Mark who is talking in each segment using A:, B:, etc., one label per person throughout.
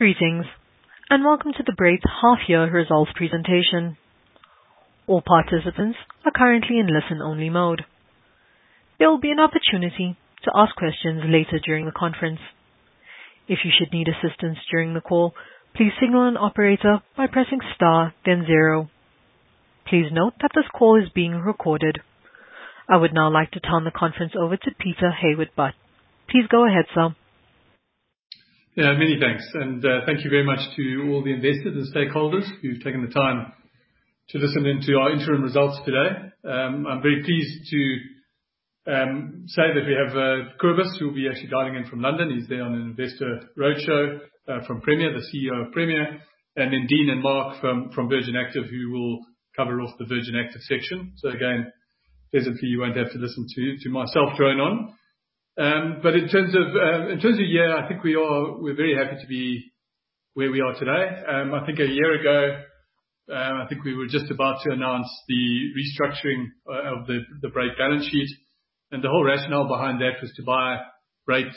A: Greetings, and welcome to the Brait's half-year results presentation. All participants are currently in listen-only mode. There will be an opportunity to ask questions later during the conference. If you should need assistance during the call, please signal an operator by pressing star, then zero. Please note that this call is being recorded. I would now like to turn the conference over to Peter Hayward-Butt. Please go ahead, Sir.
B: Many thanks, and thank you very much to all the investors and stakeholders who've taken the time to listen in to our interim results today. I'm very pleased to say that we have Kobus, who will be actually dialing in from London. He's there on an investor roadshow from Premier, the CEO of Premier, and then Dean and Mark from Virgin Active, who will cover off the Virgin Active section. Again, presently, you won't have to listen to myself drone on. In terms of a year, I think we're very happy to be where we are today. I think a year ago, I think we were just about to announce the restructuring of the Brait balance sheet, and the whole rationale behind that was to buy Brait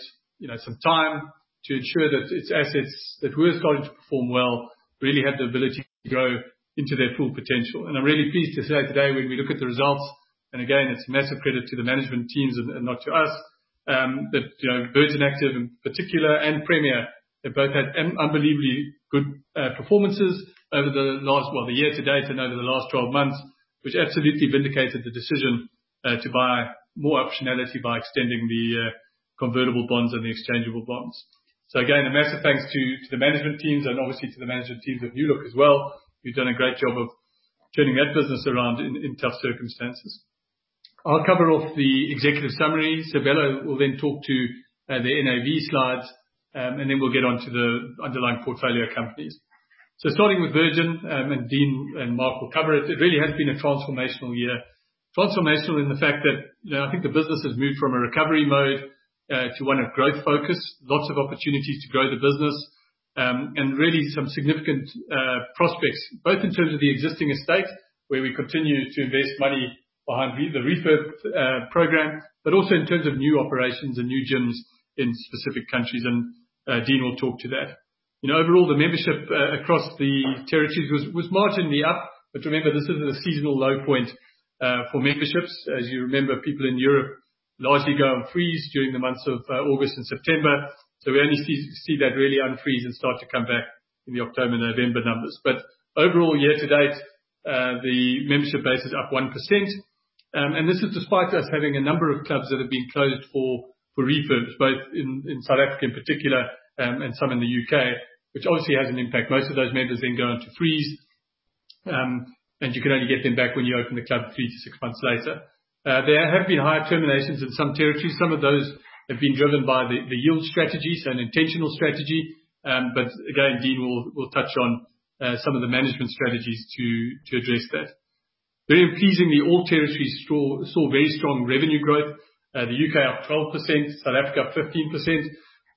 B: some time to ensure that its assets that were starting to perform well really had the ability to grow into their full potential. I am really pleased to say today when we look at the results, and again, it is a massive credit to the management teams and not to us, that Virgin Active in particular and Premier have both had unbelievably good performances over the last, well, the year to date and over the last 12 months, which absolutely vindicated the decision to buy more optionality by extending the convertible bonds and the exchangeable bonds. Again, a massive thanks to the management teams and obviously to the management teams at NÜ Look as well, who've done a great job of turning that business around in tough circumstances. I'll cover off the executive summary. Sabelo will then talk to the NAV slides, and then we'll get on to the underlying portfolio companies. Starting with Virgin and Dean and Mark will cover it, it really has been a transformational year. Transformational in the fact that I think the business has moved from a recovery mode to one of growth focus, lots of opportunities to grow the business, and really some significant prospects, both in terms of the existing estate where we continue to invest money behind the REFIB program, but also in terms of new operations and new gyms in specific countries. Dean will talk to that. Overall, the membership across the territories was marginally up, but remember, this is a seasonal low point for memberships. As you remember, people in Europe largely go on freeze during the months of August and September. We only see that really unfreeze and start to come back in the October and November numbers. Overall, year to date, the membership base is up 1%. This is despite us having a number of clubs that have been closed for REFIBs, both in South Africa in particular and some in the U.K., which obviously has an impact. Most of those members then go on to freeze, and you can only get them back when you open the club three to six months later. There have been higher terminations in some territories. Some of those have been driven by the yield strategy, so an intentional strategy. Again, Dean will touch on some of the management strategies to address that. Very pleasingly, all territories saw very strong revenue growth. The U.K. up 12%, South Africa up 15%,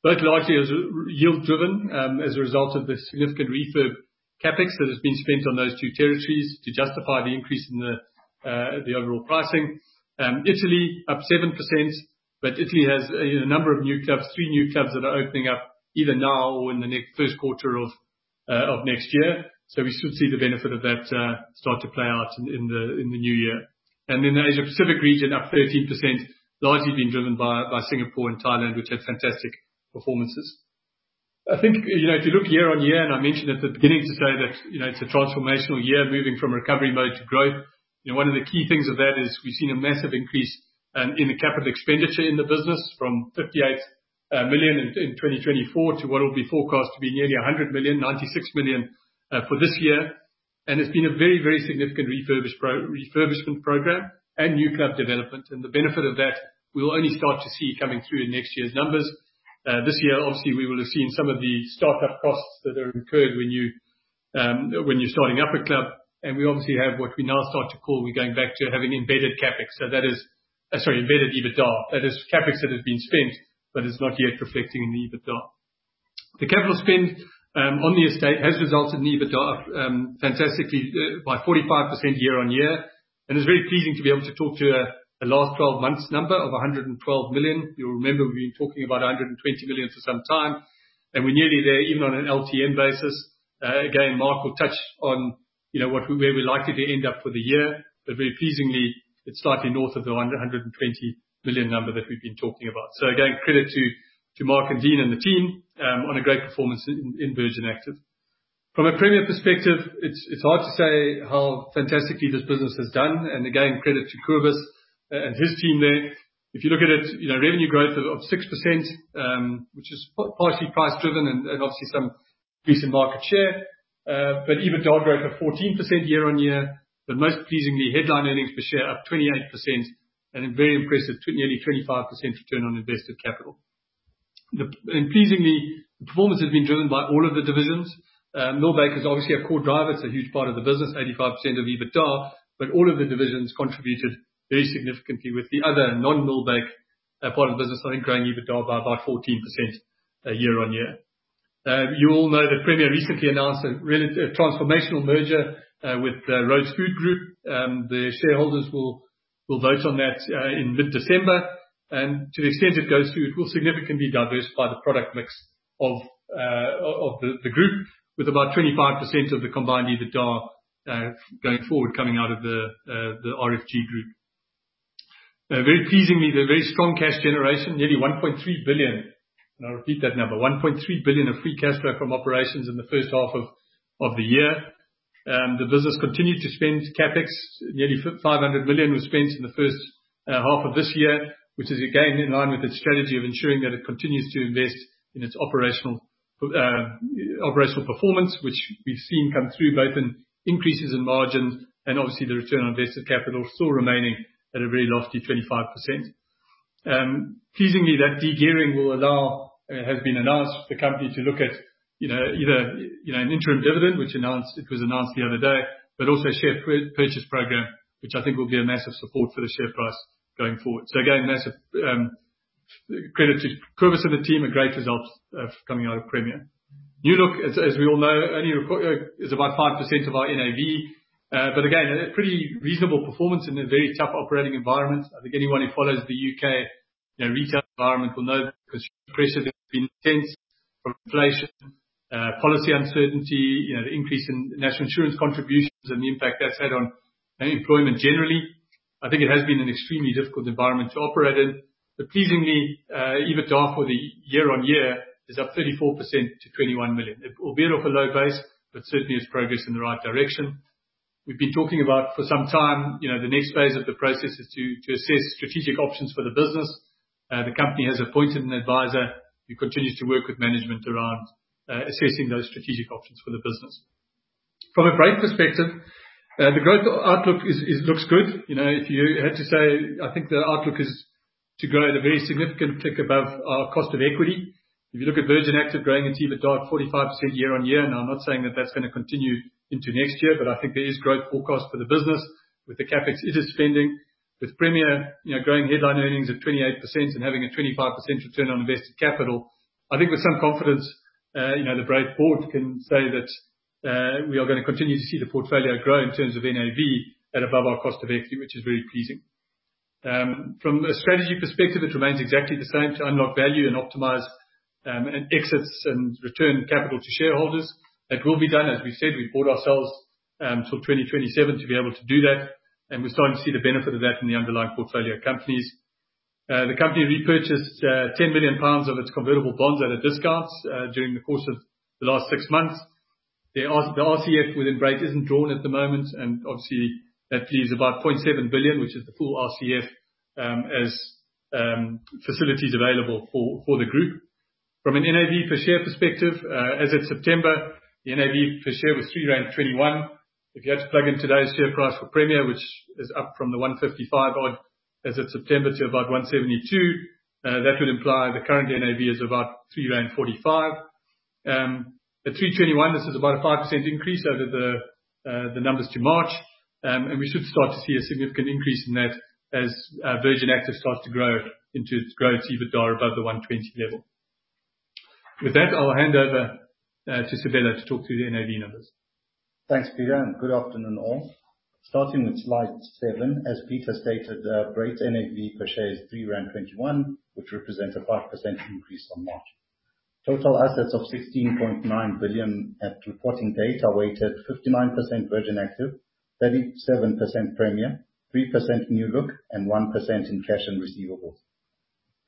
B: both largely as yield-driven as a result of the significant REFIB CapEx that has been spent on those two territories to justify the increase in the overall pricing. Italy up 7%, but Italy has a number of new clubs, three new clubs that are opening up either now or in the first quarter of next year. We should see the benefit of that start to play out in the new year. The Asia-Pacific region up 13%, largely being driven by Singapore and Thailand, which had fantastic performances. I think if you look year-on-year, and I mentioned at the beginning to say that it's a transformational year moving from recovery mode to growth, one of the key things of that is we've seen a massive increase in the capital expenditure in the business from 58 million in 2024 to what will be forecast to be nearly 100 million, 96 million for this year. It has been a very, very significant refurbishment program and new club development. The benefit of that will only start to see coming through in next year's numbers. This year, obviously, we will have seen some of the startup costs that are incurred when you're starting up a club. We obviously have what we now start to call we're going back to having embedded CapEx. That is, sorry, embedded EBITDA. That is CapEx that has been spent, but it's not yet reflecting in the EBITDA. The capital spend on the estate has resulted in EBITDA fantastically by 45%YoY. It is very pleasing to be able to talk to a last twelve months number of 112 million. You'll remember we've been talking about 120 million for some time, and we're nearly there even on an LTM basis. Mark will touch on where we're likely to end up for the year. Very pleasingly, it's slightly north of the 120 million number that we've been talking about. Credit to Mark and Dean and the team on a great performance in Virgin Active. From a Premier perspective, it's hard to say how fantastically this business has done. Credit to Kobus and his team there. If you look at it, revenue growth of 6%, which is partially price-driven and obviously some recent market share, but EBITDA growth of 14% YoY, most pleasingly, headline earnings per share up 28% and a very impressive nearly 25% return on invested capital. Pleasingly, the performance has been driven by all of the divisions. Millbake is obviously a core driver. It is a huge part of the business, 85% of EBITDA, but all of the divisions contributed very significantly with the other non-Millbake part of the business, I think growing EBITDA by about 14% YoY. You all know that Premier recently announced a transformational merger with Rhodes Food Group. The shareholders will vote on that in mid-December. To the extent it goes through, it will significantly diversify the product mix of the group with about 25% of the combined EBITDA going forward coming out of the RFG group. Very pleasingly, the very strong cash generation, nearly 1.3 billion, and I'll repeat that number, 1.3 billion of free cash flow from operations in the first half of the year. The business continued to spend CapEx, nearly 500 million was spent in the first half of this year, which is again in line with its strategy of ensuring that it continues to invest in its operational performance, which we've seen come through both in increases in margin and obviously the return on invested capital still remaining at a very lofty 25%. Pleasingly, that degearing will allow, has been announced, the company to look at either an interim dividend, which was announced the other day, but also a share purchase program, which I think will be a massive support for the share price going forward. Again, massive credit to Kobus and the team, a great result coming out of Premier. NÜ Look, as we all know, only is about 5% of our NAV, but again, a pretty reasonable performance in a very tough operating environment. I think anyone who follows the U.K. retail environment will know because pressure has been intense from inflation, policy uncertainty, the increase in national insurance contributions, and the impact that's had on employment generally. I think it has been an extremely difficult environment to operate in. Pleasingly, EBITDA for the year-on-year is up 34% to 21 million. It will veer off a low base, but certainly it's progress in the right direction. We've been talking about for some time the next phase of the process is to assess strategic options for the business. The company has appointed an advisor who continues to work with management around assessing those strategic options for the business. From a Brait perspective, the growth outlook looks good. If you had to say, I think the outlook is to grow at a very significant click above our cost of equity. If you look at Virgin Active growing its EBITDA at 45% YoY, and I'm not saying that that's going to continue into next year, but I think there is growth forecast for the business with the CapEx it is spending. With Premier growing headline earnings at 28% and having a 25% return on invested capital, I think with some confidence, the Brait board can say that we are going to continue to see the portfolio grow in terms of NAV at above our cost of equity, which is very pleasing. From a strategy perspective, it remains exactly the same to unlock value and optimize exits and return capital to shareholders. That will be done, as we've said, we bought ourselves till 2027 to be able to do that, and we're starting to see the benefit of that in the underlying portfolio companies. The company repurchased 10 million pounds of its convertible bonds at a discount during the course of the last six months. The RCF within Brait isn't drawn at the moment, and obviously that leaves about 0.7 billion, which is the full RCF as facilities available for the group. From an NAV per share perspective, as of September, the NAV per share was 3.21 rand. If you had to plug in today's share price for Premier, which is up from the 155 odd as of September to about 172, that would imply the current NAV is about 3.45 rand. At 3.21, this is about a 5% increase over the numbers to March, and we should start to see a significant increase in that as Virgin Active starts to grow into its growth EBITDA above the 120 million level. With that, I'll hand over to Sabelo to talk to the NAV numbers.
C: Thanks, Peter. Good afternoon all. Starting with slide seven, as Peter stated, Brait's NAV per share is 3.21 rand, which represents a 5% increase on March. Total assets of 16.9 billion at reporting date outweighed at 59% Virgin Active, 37% Premier, 3% NÜ Look, and 1% in cash and receivables.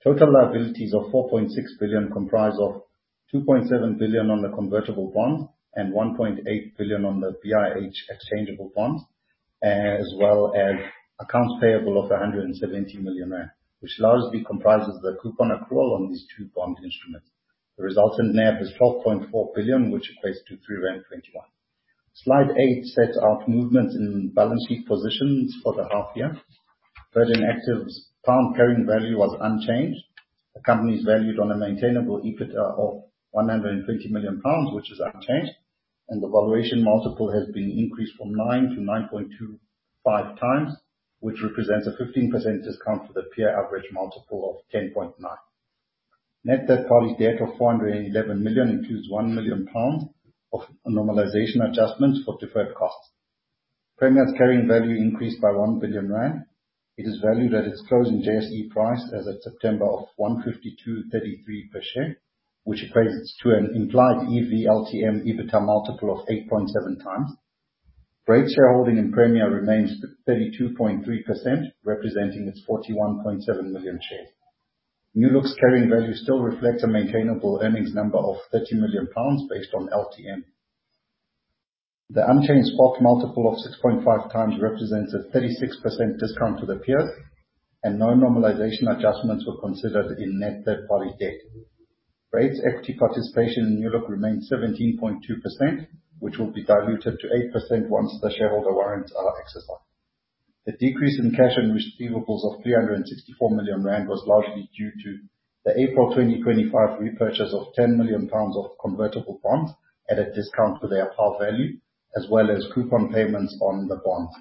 C: Total liabilities of 4.6 billion comprise of 2.7 billion on the convertible bonds and 1.8 billion on the BIH exchangeable bonds, as well as accounts payable of 170 million rand, which largely comprises the coupon accrual on these two bond instruments. The resultant NAV is 12.4 billion, which equates to 3.21. Slide eight sets out movements in balance sheet positions for the half year. Virgin Active's GBP carrying value was unchanged. The company is valued on a maintainable EBITDA of 120 million pounds, which is unchanged, and the valuation multiple has been increased from 9x to 9.25x, which represents a 15% discount for the peer average multiple of 10.9. Net debt, partly stated, of 411 million includes 1 million pounds of normalization adjustments for deferred costs. Premier's carrying value increased by 1 billion rand. It is valued at its closing JSE price as of September of 152.33 per share, which equates to an implied EV/LTM EBITDA multiple of 8.7x. Brait's shareholding in Premier remains 32.3%, representing its 41.7 million shares. NÜ Look's carrying value still reflects a maintainable earnings number of 30 million pounds based on LTM. The unchanged spot multiple of 6.5x represents a 36% discount to the peers, and no normalization adjustments were considered in net debt, partly stated. Brait's equity participation in NÜ Look remains 17.2%, which will be diluted to 8% once the shareholder warrants are exercised. The decrease in cash and receivables of 364 million rand was largely due to the April 2025 repurchase of 10 million pounds of convertible bonds at a discount to their par value, as well as coupon payments on the bonds.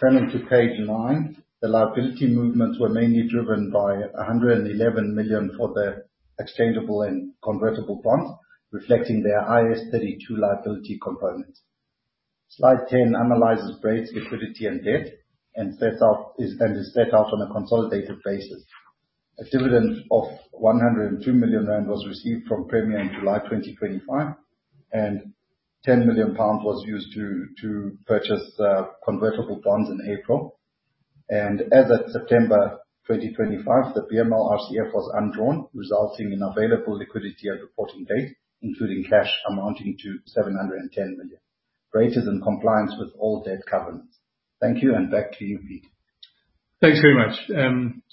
C: Turning to page nine, the liability movements were mainly driven by 111 million for the exchangeable and convertible bonds, reflecting their IS32 liability components. Slide 10 analyzes Brait's liquidity and debt and is set out on a consolidated basis. A dividend of 102 million rand was received from Premier in July 2025, and 10 million pounds was used to purchase convertible bonds in April. As of September 2025, the BML RCF was undrawn, resulting in available liquidity at reporting date, including cash amounting to 710 million. Brait is in compliance with all debt covenants. Thank you, and back to you, Peter.
B: Thanks very much.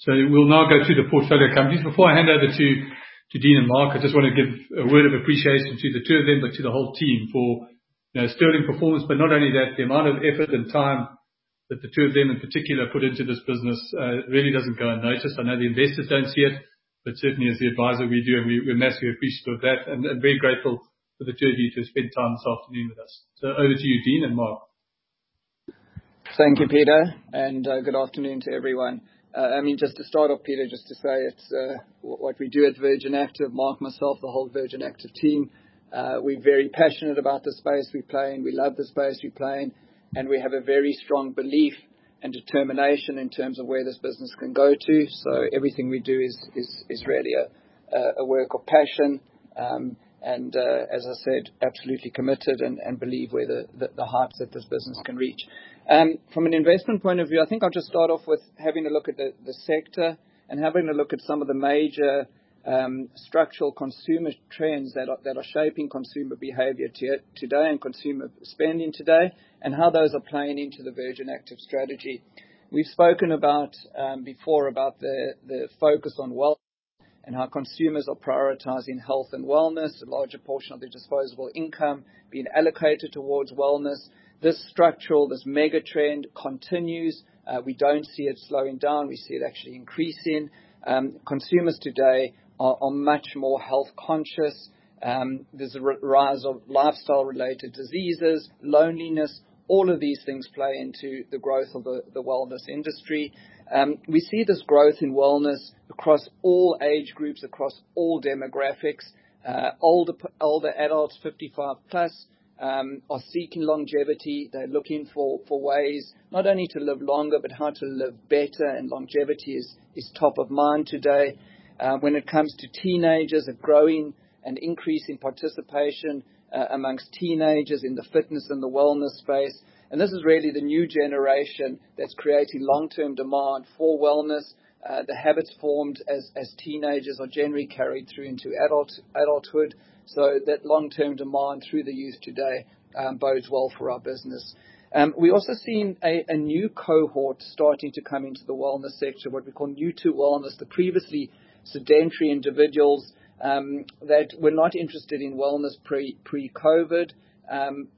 B: We will now go through the portfolio companies. Before I hand over to Dean and Mark, I just want to give a word of appreciation to the two of them, but to the whole team for stellar performance, but not only that, the amount of effort and time that the two of them in particular put into this business really does not go unnoticed. I know the investors do not see it, but certainly as the advisor, we do, and we are massively appreciative of that and very grateful for the two of you to spend time this afternoon with us. Over to you, Dean and Mark.
D: Thank you, Peter, and good afternoon to everyone. I mean, just to start off, Peter, just to say it's what we do at Virgin Active, Mark, myself, the whole Virgin Active team. We're very passionate about the space we play. We love the space we play, and we have a very strong belief and determination in terms of where this business can go to. Everything we do is really a work of passion and, as I said, absolutely committed and believe where the hearts of this business can reach. From an investment point of view, I think I'll just start off with having a look at the sector and having a look at some of the major structural consumer trends that are shaping consumer behavior today and consumer spending today and how those are playing into the Virgin Active strategy. We've spoken before about the focus on wellness and how consumers are prioritizing health and wellness, a larger portion of their disposable income being allocated towards wellness. This structural, this mega trend continues. We don't see it slowing down. We see it actually increasing. Consumers today are much more health conscious. There's a rise of lifestyle related diseases, loneliness. All of these things play into the growth of the wellness industry. We see this growth in wellness across all age groups, across all demographics. Older adults, 55+, are seeking longevity. They're looking for ways not only to live longer, but how to live better, and longevity is top of mind today. When it comes to teenagers, a growing and increasing participation amongst teenagers in the fitness and the wellness space. This is really the new generation that's creating long-term demand for wellness. The habits formed as teenagers are generally carried through into adulthood. That long-term demand through the youth today bodes well for our business. We're also seeing a new cohort starting to come into the wellness sector, what we call new to wellness, the previously sedentary individuals that were not interested in wellness pre-COVID.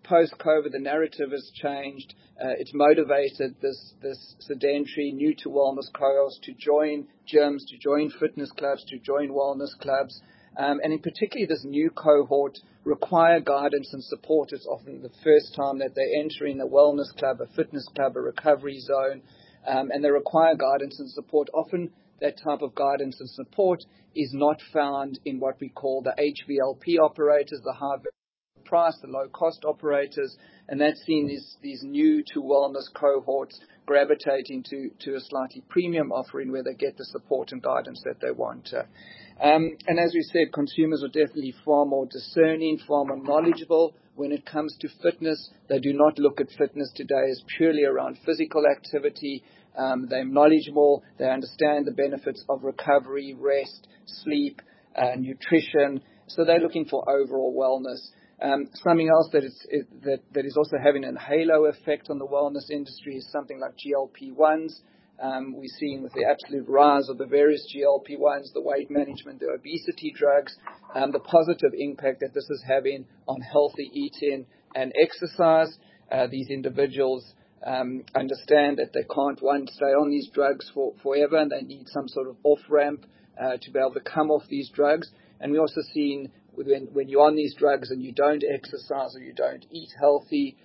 D: Post-COVID, the narrative has changed. It's motivated this sedentary new to wellness cohort to join gyms, to join fitness clubs, to join wellness clubs. In particular, this new cohort requires guidance and support. It's often the first time that they enter in a wellness club, a fitness club, a recovery zone, and they require guidance and support. Often that type of guidance and support is not found in what we call the HVLP operators, the high-value price, the low-cost operators. That has seen these new to wellness cohorts gravitating to a slightly premium offering where they get the support and guidance that they want. As we said, consumers are definitely far more discerning, far more knowledgeable when it comes to fitness. They do not look at fitness today as purely around physical activity. They are knowledgeable. They understand the benefits of recovery, rest, sleep, nutrition. They are looking for overall wellness. Something else that is also having a halo effect on the wellness industry is something like GLP-1s. We are seeing with the absolute rise of the various GLP-1s, the weight management, the obesity drugs, the positive impact that this is having on healthy eating and exercise. These individuals understand that they cannot stay on these drugs forever, and they need some sort of off-ramp to be able to come off these drugs. We're also seeing when you're on these drugs and you don't exercise or you don't eat healthy,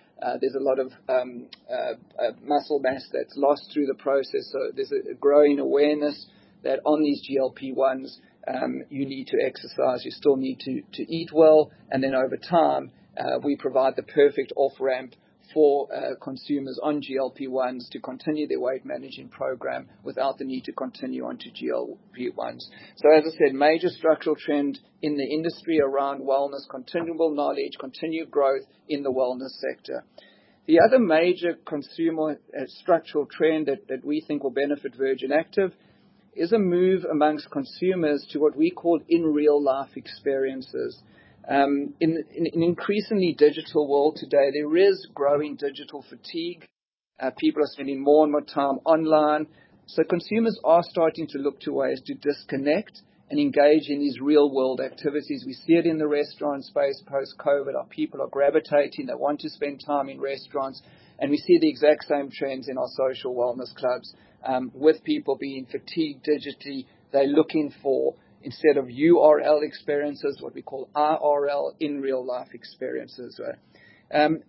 D: there's a lot of muscle mass that's lost through the process. There's a growing awareness that on these GLP-1s, you need to exercise. You still need to eat well. Over time, we provide the perfect off-ramp for consumers on GLP-1s to continue their weight managing program without the need to continue on to GLP-1s. As I said, major structural trend in the industry around wellness, continual knowledge, continued growth in the wellness sector. The other major consumer structural trend that we think will benefit Virgin Active is a move amongst consumers to what we call in real life experiences. In an increasingly digital world today, there is growing digital fatigue. People are spending more and more time online. Consumers are starting to look to ways to disconnect and engage in these real-world activities. We see it in the restaurant space post-COVID. People are gravitating. They want to spend time in restaurants. We see the exact same trends in our social wellness clubs with people being fatigued digitally. They are looking for instead of URL experiences, what we call RRL, in real life experiences.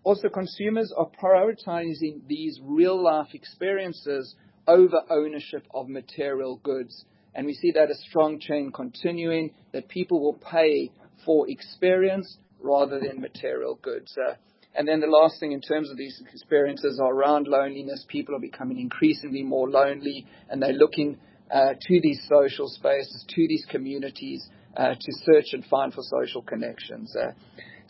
D: Also, consumers are prioritizing these real life experiences over ownership of material goods. We see that a strong chain continuing, that people will pay for experience rather than material goods. The last thing in terms of these experiences around loneliness, people are becoming increasingly more lonely, and they are looking to these social spaces, to these communities to search and find for social connections.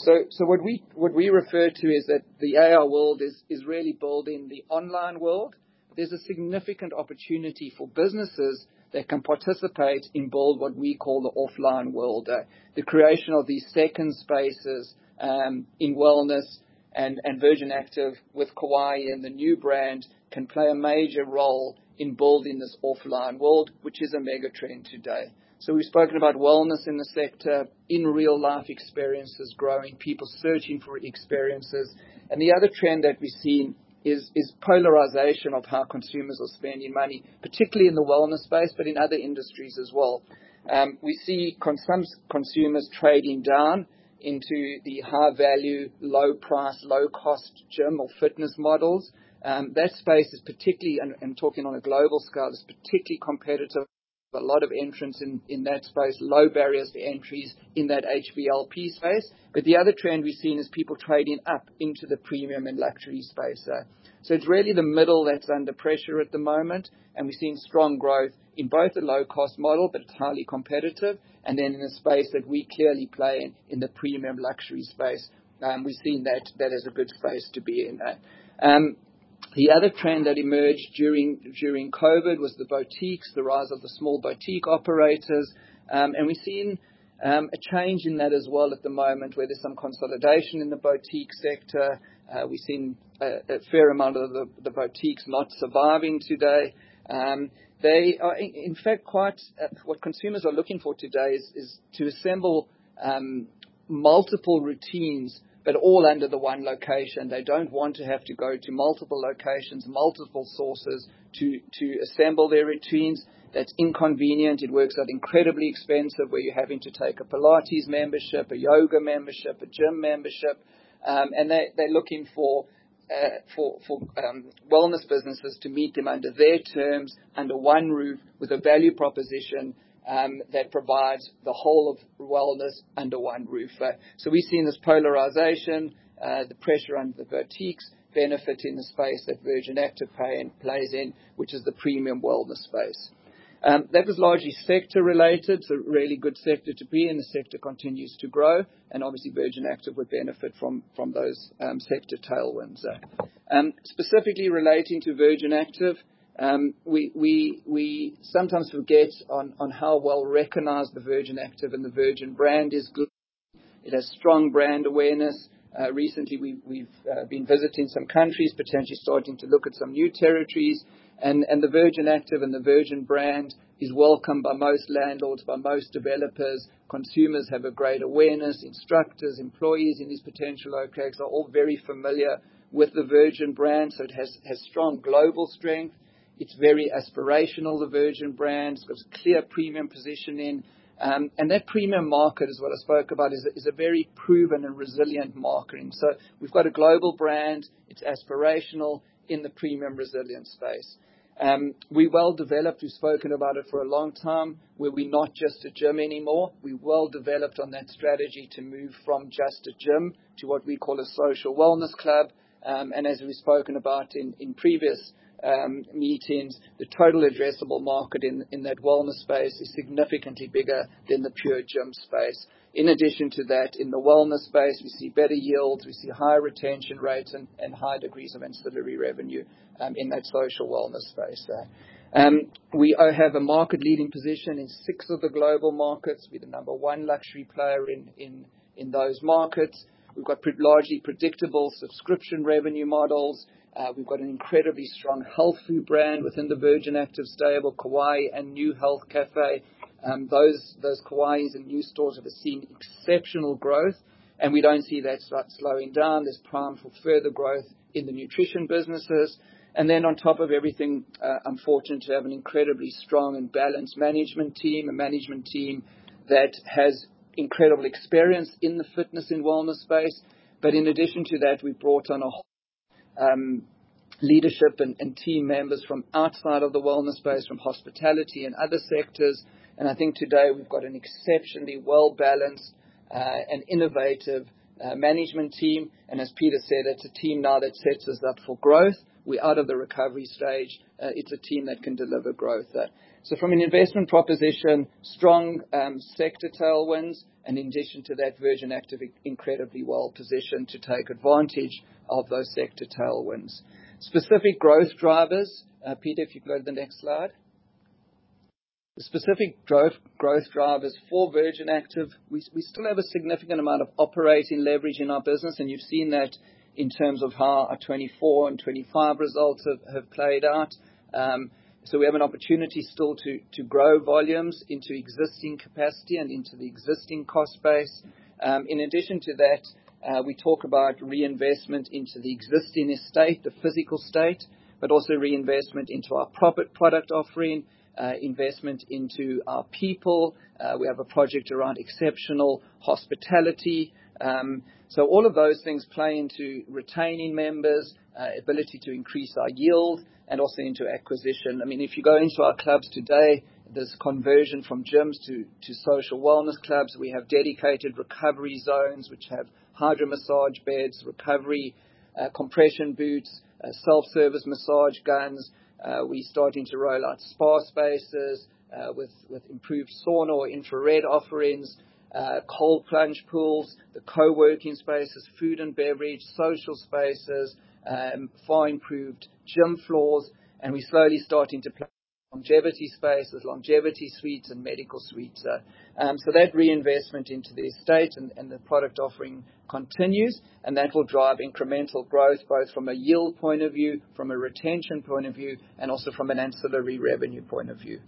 D: What we refer to is that the AR world is really building the online world. is a significant opportunity for businesses that can participate in both what we call the offline world. The creation of these second spaces in wellness and Virgin Active with Kauai and the new brand can play a major role in building this offline world, which is a mega trend today. We have spoken about wellness in the sector, in real life experiences, growing people searching for experiences. The other trend that we have seen is polarization of how consumers are spending money, particularly in the wellness space, but in other industries as well. We see consumers trading down into the high value, low price, low cost gym or fitness models. That space is particularly, and talking on a global scale, is particularly competitive. There are a lot of entrants in that space, low barriers to entries in that HVLP space. The other trend we've seen is people trading up into the premium and luxury space. It's really the middle that's under pressure at the moment. We've seen strong growth in both the low cost model, but it's highly competitive. In a space that we clearly play in, in the premium luxury space, we've seen that that is a good space to be in. The other trend that emerged during COVID was the boutiques, the rise of the small boutique operators. We've seen a change in that as well at the moment where there's some consolidation in the boutique sector. We've seen a fair amount of the boutiques not surviving today. They are in fact quite what consumers are looking for today is to assemble multiple routines, but all under the one location. They do not want to have to go to multiple locations, multiple sources to assemble their routines. That is inconvenient. It works out incredibly expensive where you are having to take a Pilates membership, a yoga membership, a gym membership. They are looking for wellness businesses to meet them under their terms under one roof with a value proposition that provides the whole of wellness under one roof. We have seen this polarization, the pressure under the boutiques benefiting the space that Virgin Active plays in, which is the premium wellness space. That was largely sector related, so really good sector to be in. The sector continues to grow. Obviously, Virgin Active would benefit from those sector tailwinds. Specifically relating to Virgin Active, we sometimes forget how well recognized the Virgin Active and the Virgin brand is. It has strong brand awareness. Recently, we've been visiting some countries, potentially starting to look at some new territories. The Virgin Active and the Virgin brand is welcome by most landlords, by most developers. Consumers have a great awareness. Instructors, employees in these potential locations are all very familiar with the Virgin brand. It has strong global strength. It's very aspirational, the Virgin brand. It's got a clear premium position in. That premium market, as what I spoke about, is a very proven and resilient marketing. We've got a global brand. It's aspirational in the premium resilient space. We're well developed. We've spoken about it for a long time where we're not just a gym anymore. We're well developed on that strategy to move from just a gym to what we call a social wellness club. As we've spoken about in previous meetings, the total addressable market in that wellness space is significantly bigger than the pure gym space. In addition to that, in the wellness space, we see better yields. We see higher retention rates and high degrees of ancillary revenue in that social wellness space. We have a market leading position in six of the global markets. We're the number one luxury player in those markets. We've got largely predictable subscription revenue models. We've got an incredibly strong health food brand within the Virgin Active stable, Kauai and NÜ Health Cafe. Those Kauai's and new stores have seen exceptional growth. We don't see that slowing down. There's prime for further growth in the nutrition businesses. On top of everything, I'm fortunate to have an incredibly strong and balanced management team, a management team that has incredible experience in the fitness and wellness space. In addition to that, we've brought on a whole leadership and team members from outside of the wellness space, from hospitality and other sectors. I think today we've got an exceptionally well-balanced and innovative management team. As Peter said, it's a team now that sets us up for growth. We're out of the recovery stage. It's a team that can deliver growth. From an investment proposition, strong sector tailwinds. In addition to that, Virgin Active is incredibly well positioned to take advantage of those sector tailwinds. Specific growth drivers. Peter, if you could go to the next slide. Specific growth drivers for Virgin Active. We still have a significant amount of operating leverage in our business. You have seen that in terms of how our 2024 and 2025 results have played out. We have an opportunity still to grow volumes into existing capacity and into the existing cost base. In addition to that, we talk about reinvestment into the existing estate, the physical estate, but also reinvestment into our product offering, investment into our people. We have a project around exceptional hospitality. All of those things play into retaining members, ability to increase our yield, and also into acquisition. I mean, if you go into our clubs today, there is conversion from gyms to social wellness clubs. We have dedicated recovery zones which have hydromassage beds, recovery compression boots, self-service massage guns. We're starting to roll out spa spaces with improved sauna or infrared offerings, cold plunge pools, the coworking spaces, food and beverage, social spaces, fire-improved gym floors. We're slowly starting to play longevity spaces, longevity suites, and medical suites. That reinvestment into the estate and the product offering continues. That will drive incremental growth both from a yield point of view, from a retention point of view, and also from an ancillary revenue point of view.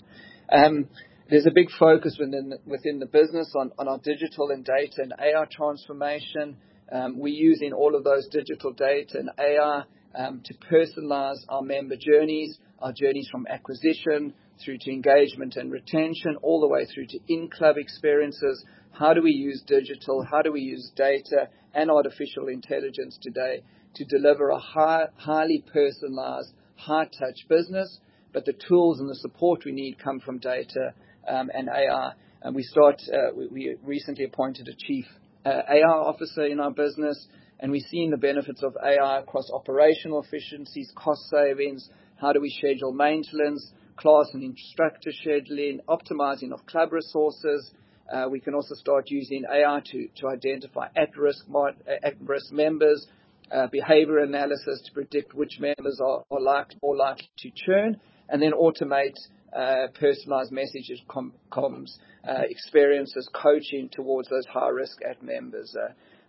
D: There's a big focus within the business on our digital and data and AI transformation. We're using all of those digital data and AI to personalize our member journeys, our journeys from acquisition through to engagement and retention, all the way through to in-club experiences. How do we use digital? How do we use data and artificial intelligence today to deliver a highly personalized, high-touch business? The tools and the support we need come from data and AI. We recently appointed a Chief AI Officer in our business. We are seeing the benefits of AI across operational efficiencies and cost savings. How do we schedule maintenance, class and instructor scheduling, optimizing of club resources? We can also start using AI to identify at-risk members, behavior analysis to predict which members are more likely to churn, and then automate personalized messages, comms, experiences, coaching towards those high-risk members.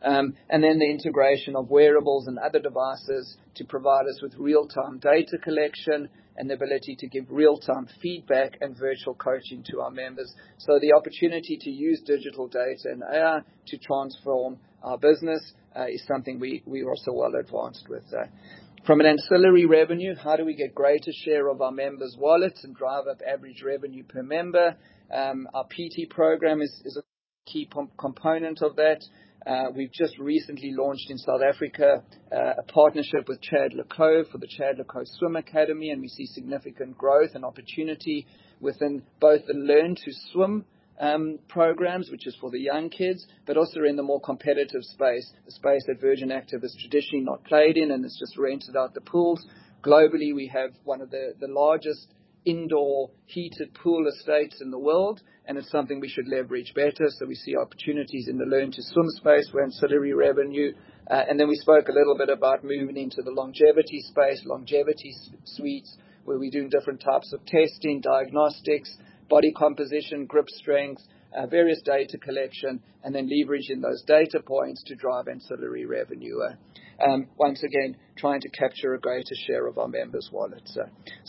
D: The integration of wearables and other devices provides us with real-time data collection and the ability to give real-time feedback and virtual coaching to our members. The opportunity to use digital data and AI to transform our business is something we are also well advanced with. From an ancillary revenue, how do we get greater share of our members' wallets and drive up average revenue per member? Our PT program is a key component of that. We've just recently launched in South Africa a partnership with Chad Le Clos for the Chad Le Clos Swim Academy. We see significant growth and opportunity within both the Learn to Swim programs, which is for the young kids, but also in the more competitive space, a space that Virgin Active has traditionally not played in, and it's just rented out the pools. Globally, we have one of the largest indoor heated pool estates in the world. It is something we should leverage better. We see opportunities in the Learn to Swim space for ancillary revenue. We spoke a little bit about moving into the longevity space, longevity suites, where we're doing different types of testing, diagnostics, body composition, grip strength, various data collection, and then leveraging those data points to drive ancillary revenue. Once again, trying to capture a greater share of our members' wallets.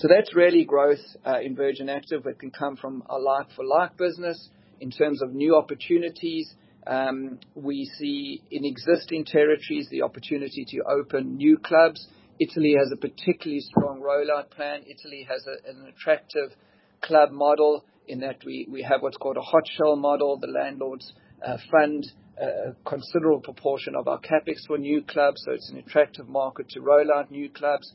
D: That's really growth in Virgin Active, but it can come from a like-for-like business. In terms of new opportunities, we see in existing territories the opportunity to open new clubs. Italy has a particularly strong rollout plan. Italy has an attractive club model in that we have what's called a hot shell model. The landlords fund a considerable proportion of our CapEx for new clubs. It's an attractive market to rollout new clubs.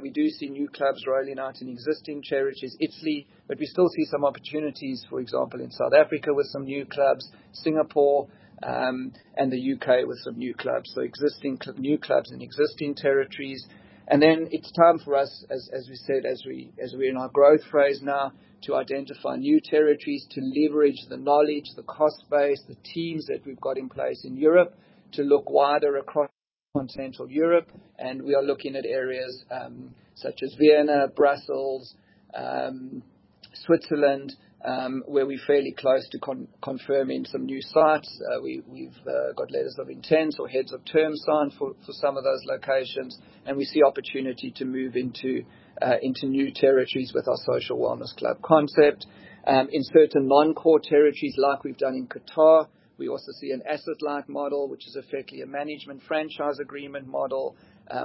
D: We do see new clubs rolling out in existing territories: Italy, but we still see some opportunities, for example, in South Africa with some new clubs, Singapore, and the U.K. with some new clubs. Existing new clubs in existing territories. It is time for us, as we said, as we're in our growth phase now, to identify new territories to leverage the knowledge, the cost base, the teams that we've got in place in Europe to look wider across continental Europe. We are looking at areas such as Vienna, Brussels, Switzerland, where we're fairly close to confirming some new sites. We've got letters of intent or heads of term signed for some of those locations. We see opportunity to move into new territories with our social wellness club concept. In certain non-core territories like we've done in Qatar, we also see an asset-light model, which is effectively a management franchise agreement model.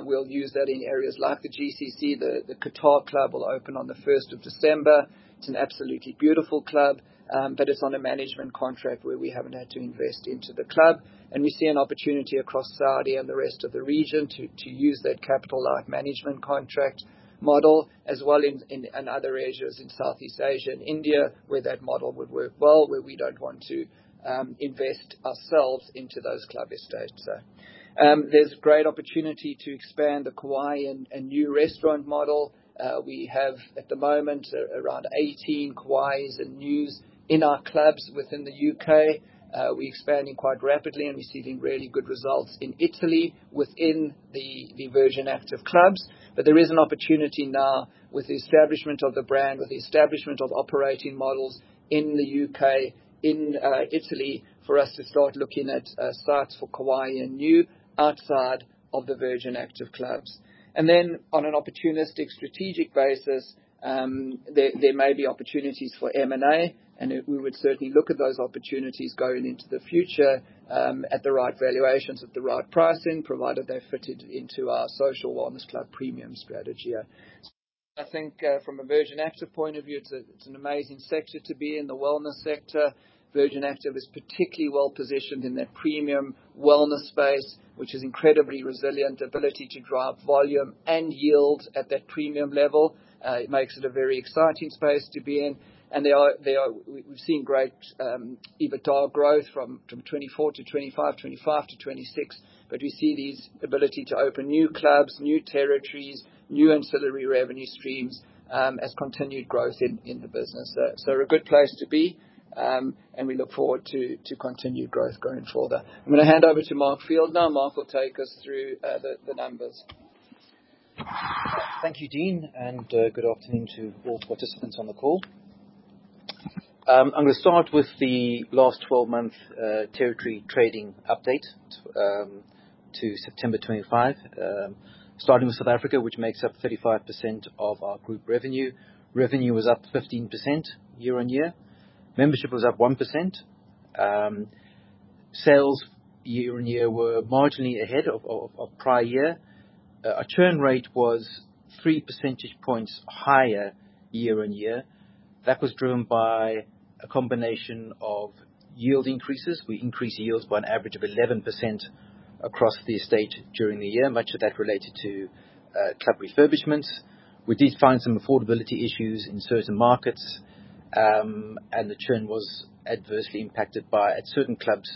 D: We'll use that in areas like the GCC. The Qatar club will open on the 1st of December. It's an absolutely beautiful club, but it's on a management contract where we haven't had to invest into the club. We see an opportunity across Saudi and the rest of the region to use that capital-light management contract model as well in other areas in Southeast Asia and India where that model would work well, where we don't want to invest ourselves into those club estates. There's great opportunity to expand the Kowarski and New Health Cafe model. We have at the moment around 18 Kauai's and NÜ Health Cafes in our clubs within the U.K. We're expanding quite rapidly and receiving really good results in Italy within the Virgin Active clubs. There is an opportunity now with the establishment of the brand, with the establishment of operating models in the U.K., in Italy for us to start looking at sites for Kauai and NÜ outside of the Virgin Active clubs. On an opportunistic strategic basis, there may be opportunities for M&A. We would certainly look at those opportunities going into the future at the right valuations, at the right pricing, provided they're fitted into our social wellness club premium strategy. I think from a Virgin Active point of view, it's an amazing sector to be in, the wellness sector. Virgin Active is particularly well positioned in that premium wellness space, which is incredibly resilient, ability to drive volume and yield at that premium level. It makes it a very exciting space to be in. We have seen great EBITDA growth from 2024 to 2025, 2025 to 2026. We see this ability to open new clubs, new territories, new ancillary revenue streams as continued growth in the business. A good place to be. We look forward to continued growth going forward. I am going to hand over to Mark Field now. Mark will take us through the numbers.
E: Thank you, Dean. Good afternoon to all participants on the call. I am going to start with the last 12-month territory trading update to September 2025, starting with South Africa, which makes up 35% of our group revenue. Revenue was up 15% YoY. Membership was up 1%. Sales year-on-year were marginally ahead of prior year. Our churn rate was 3 percentage points higher year-on-year. That was driven by a combination of yield increases. We increased yields by an average of 11% across the estate during the year, much of that related to club refurbishments. We did find some affordability issues in certain markets. The churn was adversely impacted by certain clubs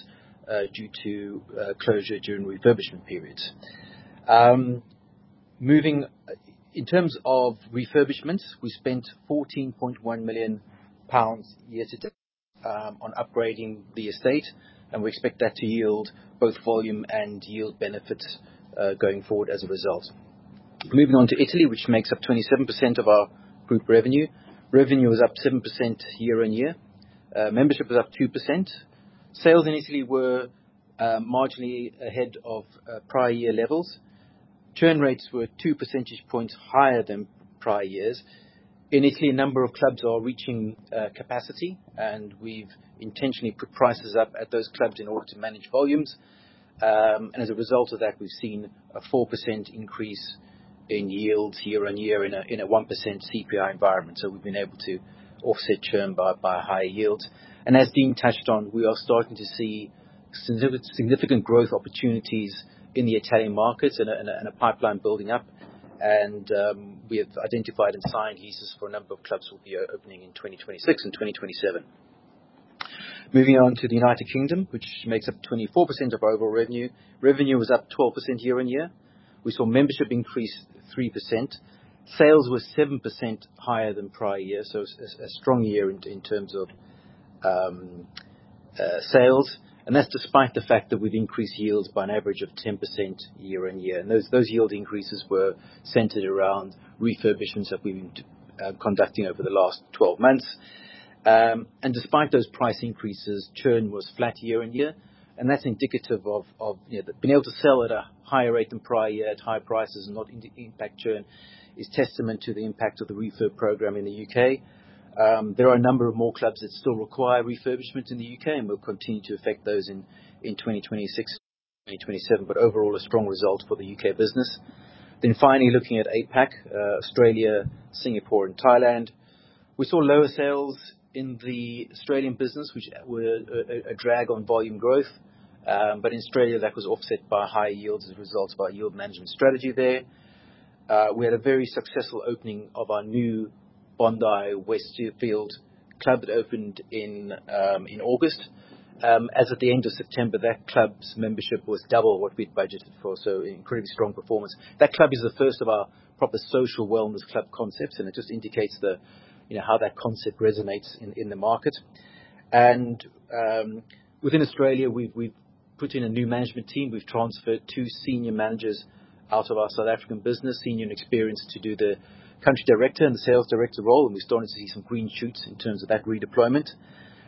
E: due to closure during refurbishment periods. Moving in terms of refurbishments, we spent 14.1 million pounds year to date on upgrading the estate. We expect that to yield both volume and yield benefits going forward as a result. Moving on to Italy, which makes up 27% of our group revenue. Revenue was up 7% YoY. Membership was up 2%. Sales in Italy were marginally ahead of prior year levels. Churn rates were two percentage points higher than prior years. In Italy, a number of clubs are reaching capacity. We have intentionally put prices up at those clubs in order to manage volumes. As a result of that, we have seen a 4% increase in yields year-on-year in a 1% CPI environment. We have been able to offset churn by higher yields. As Dean touched on, we are starting to see significant growth opportunities in the Italian markets and a pipeline building up. We have identified and signed leases for a number of clubs that will be opening in 2026 and 2027. Moving on to the U.K., which makes up 24% of our overall revenue. Revenue was up 12% YoY. We saw membership increase 3%. Sales were 7% higher than prior year. A strong year in terms of sales. That is despite the fact that we have increased yields by an average of 10% YoY. Those yield increases were centered around refurbishments that we've been conducting over the last 12 months. Despite those price increases, churn was flat year-on-year. That's indicative of being able to sell at a higher rate than prior year at high prices and not impact churn, which is testament to the impact of the refurb program in the U.K. There are a number of more clubs that still require refurbishment in the U.K. and will continue to affect those in 2026 and 2027. Overall, a strong result for the U.K. business. Finally, looking at APAC, Australia, Singapore, and Thailand, we saw lower sales in the Australian business, which were a drag on volume growth. In Australia, that was offset by high yields as a result of our yield management strategy there. We had a very successful opening of our new Bondi Westfield club that opened in August. As of the end of September, that club's membership was double what we'd budgeted for. Incredibly strong performance. That club is the first of our proper social wellness club concepts. It just indicates how that concept resonates in the market. Within Australia, we've put in a new management team. We've transferred two senior managers out of our South African business, senior and experienced, to do the Country Director and the Sales Director role. We're starting to see some green shoots in terms of that redeployment.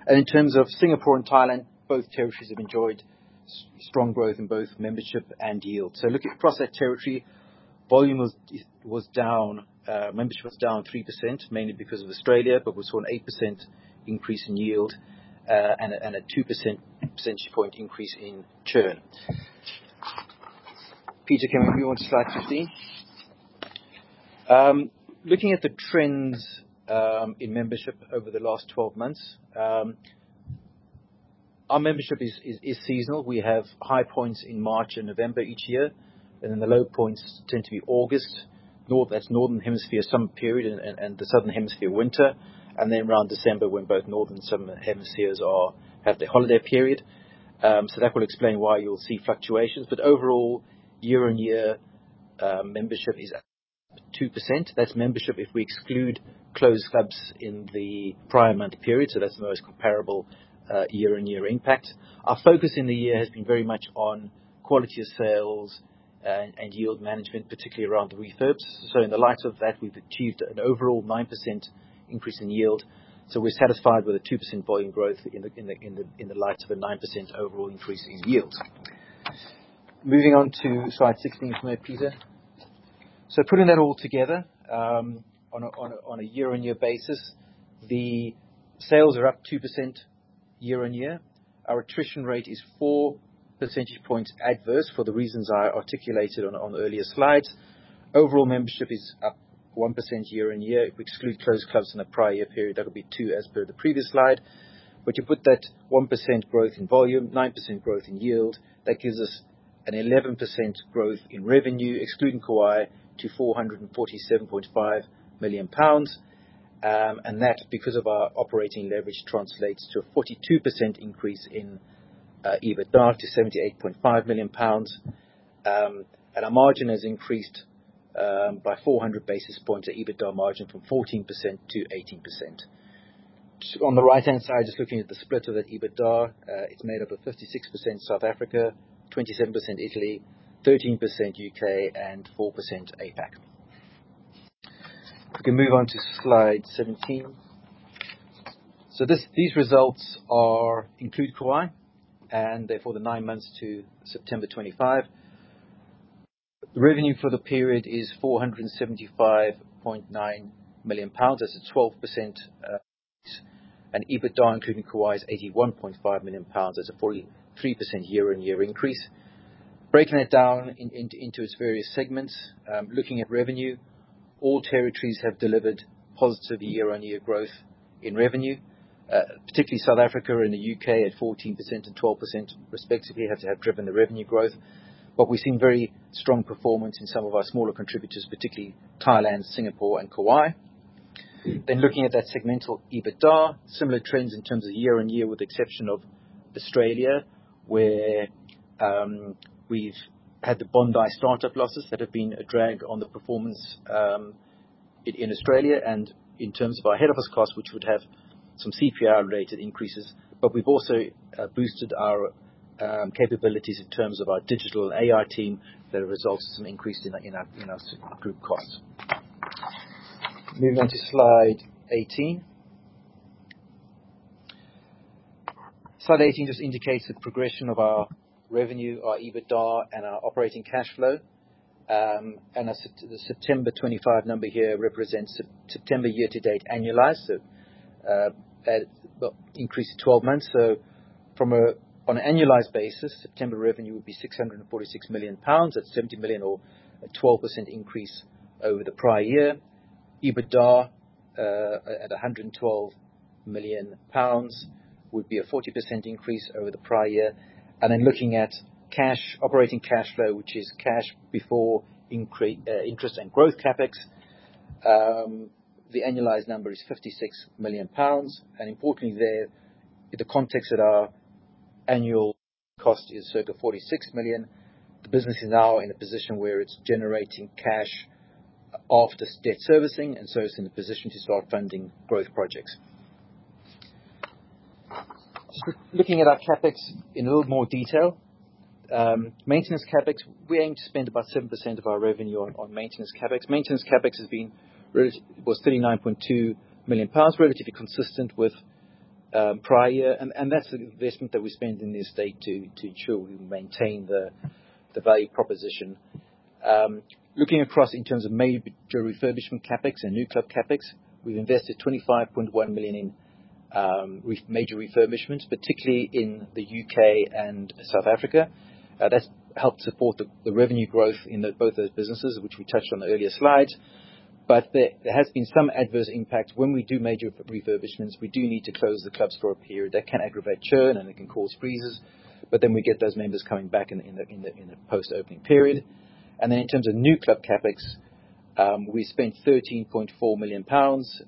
E: In terms of Singapore and Thailand, both territories have enjoyed strong growth in both membership and yield. Looking across that territory, volume was down, membership was down 3%, mainly because of Australia, but we saw an 8% increase in yield and a 2 percentage point increase in churn. Peter, can we move on to slide 15? Looking at the trends in membership over the last 12 months, our membership is seasonal. We have high points in March and November each year. The low points tend to be August. That is northern hemisphere summer period and the southern hemisphere winter. Around December, both northern and southern hemispheres have their holiday period. That will explain why you will see fluctuations. Overall, year-on-year, membership is up 2%. That is membership if we exclude closed clubs in the prior month period. That is the most comparable year-on-year impact. Our focus in the year has been very much on quality of sales and yield management, particularly around the refurbs. In the light of that, we've achieved an overall 9% increase in yield. We're satisfied with a 2% volume growth in the light of a 9% overall increase in yield. Moving on to slide 16 for me, Peter. Putting that all together on a year-on-year basis, the sales are up 2% YoY. Our attrition rate is 4 percentage points adverse for the reasons I articulated on earlier slides. Overall membership is up 1% YoY. If we exclude closed clubs in a prior year period, that would be 2 as per the previous slide. You put that 1% growth in volume, 9% growth in yield, that gives us an 11% growth in revenue, excluding Kauai, to 447.5 million pounds. That, because of our operating leverage, translates to a 42% increase in EBITDA to 78.5 million pounds. Our margin has increased by 400 basis points, our EBITDA margin from 14% to 18%. On the right-hand side, just looking at the split of that EBITDA, it is made up of 56% South Africa, 27% Italy, 13% U.K., and 4% APAC. We can move on to slide 17. These results include Kauai and therefore the nine months to September 2025. The revenue for the period is 475.9 million pounds. That is a 12% increase. EBITDA including Kauai is 81.5 million pounds as a 43% year-on-year increase. Breaking that down into its various segments, looking at revenue, all territories have delivered positive year-on-year growth in revenue, particularly South Africa and the U.K. at 14% and 12% respectively have driven the revenue growth. We have seen very strong performance in some of our smaller contributors, particularly Thailand, Singapore, and Kowarski. Looking at that segmental EBITDA, similar trends in terms of year-on-year with the exception of Australia, where we have had the Bondi startup losses that have been a drag on the performance in Australia and in terms of our head office cost, which would have some CPI-related increases. We have also boosted our capabilities in terms of our digital AI team that has resulted in some increase in our group costs. Moving on to slide 18. Slide 18 indicates the progression of our revenue, our EBITDA, and our operating cash flow. The September 2025 number here represents September year-to-date annualized, so increased 12 months. On an annualized basis, September revenue would be 646 million pounds at 70 million or a 12% increase over the prior year. EBITDA at 112 million pounds would be a 40% increase over the prior year. Looking at operating cash flow, which is cash before interest and growth CapEx, the annualized number is 56 million pounds. Importantly, in the context that our annual cost is circa 46 million, the business is now in a position where it is generating cash after debt servicing. It is in a position to start funding growth projects. Looking at our CapEx in a little more detail, maintenance CapEx, we aim to spend about 7% of our revenue on maintenance CapEx. Maintenance CapEx was 39.2 million pounds, relatively consistent with the prior year. That is the investment that we spend in the estate to ensure we maintain the value proposition. Looking across in terms of major refurbishment CapEx and new club CapEx, we have invested 25.1 million in major refurbishments, particularly in the U.K. and South Africa. That's helped support the revenue growth in both those businesses, which we touched on the earlier slides. There has been some adverse impact. When we do major refurbishments, we do need to close the clubs for a period. That can aggravate churn and it can cause freezes. We get those members coming back in the post-opening period. In terms of new club CapEx, we spent 13.4 million pounds.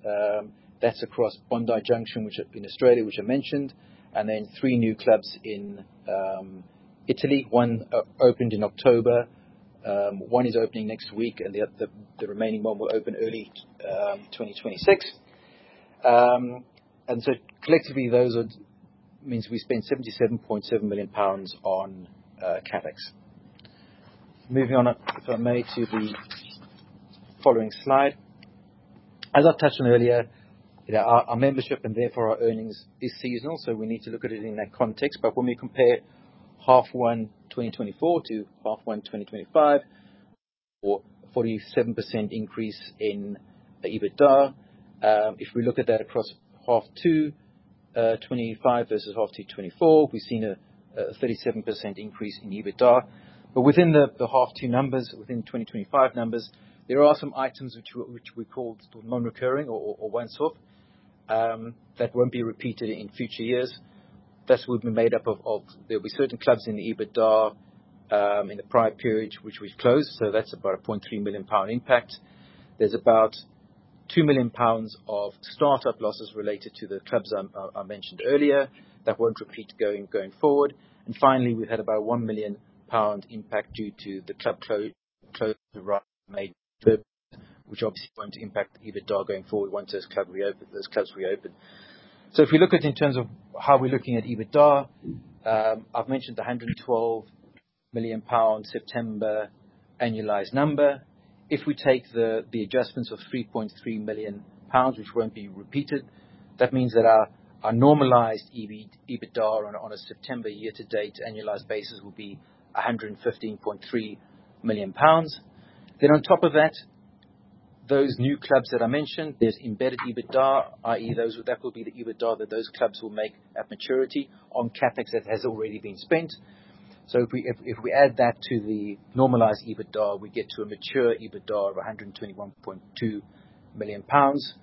E: That's across Bondi Junction, which is in Australia, which I mentioned, and three new clubs in Italy. One opened in October. One is opening next week. The remaining one will open early 2026. Collectively, that means we spent 77.7 million pounds on CapEx. Moving on, if I may, to the following slide. As I touched on earlier, our membership and therefore our earnings is seasonal. We need to look at it in that context. When we compare half one 2024 to half one 2025, a 47% increase in EBITDA. If we look at that across half two 2025 versus half two 2024, we've seen a 37% increase in EBITDA. Within the half two numbers, within the 2025 numbers, there are some items which we call non-recurring or once-off that won't be repeated in future years. That's what we made up of. There'll be certain clubs in the EBITDA in the prior period, which we've closed. That's about 0.3 million pound impact. There's about 2 million pounds of startup losses related to the clubs I mentioned earlier that won't repeat going forward. Finally, we've had about 1 million pound impact due to the club closure, which obviously won't impact EBITDA going forward once those clubs reopen. If we look at it in terms of how we're looking at EBITDA, I've mentioned the 112 million pound September annualized number. If we take the adjustments of 3.3 million pounds, which won't be repeated, that means that our normalized EBITDA on a September year-to-date annualized basis will be 115.3 million pounds. On top of that, those new clubs that I mentioned, there's embedded EBITDA, i.e., that will be the EBITDA that those clubs will make at maturity on CapEx that has already been spent. If we add that to the normalized EBITDA, we get to a mature EBITDA of 121.2 million pounds,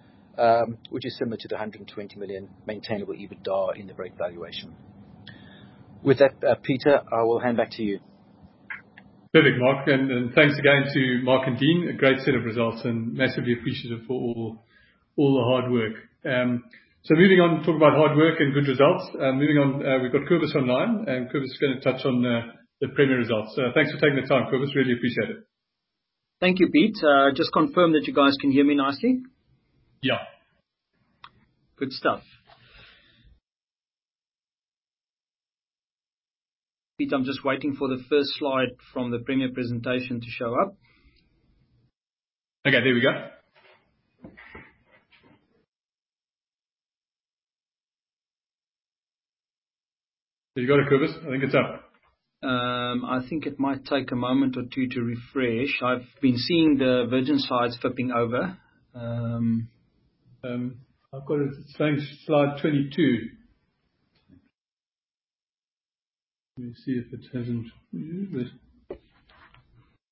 E: which is similar to the 120 million maintainable EBITDA in the Brait valuation. With that, Peter, I will hand back to you.
B: Perfect, Mark. Thanks again to Mark and Dean. A great set of results and massively appreciative for all the hard work. Moving on, talk about hard work and good results. Moving on, we've got Kobus online. Kobus is going to touch on the Premier results. Thanks for taking the time, Kobus. Really appreciate it.
F: Thank you, Pete. Just confirm that you guys can hear me nicely.
B: Yeah.
F: Good stuff. Pete, I'm just waiting for the first slide from the Premier presentation to show up. Okay, there we go.
B: Have you got it, Kobus? I think it's up.
F: I think it might take a moment or two to refresh. I've been seeing the Virgin sides flipping over.
B: I've got it. It's slide 22. Let me see if it hasn't. Have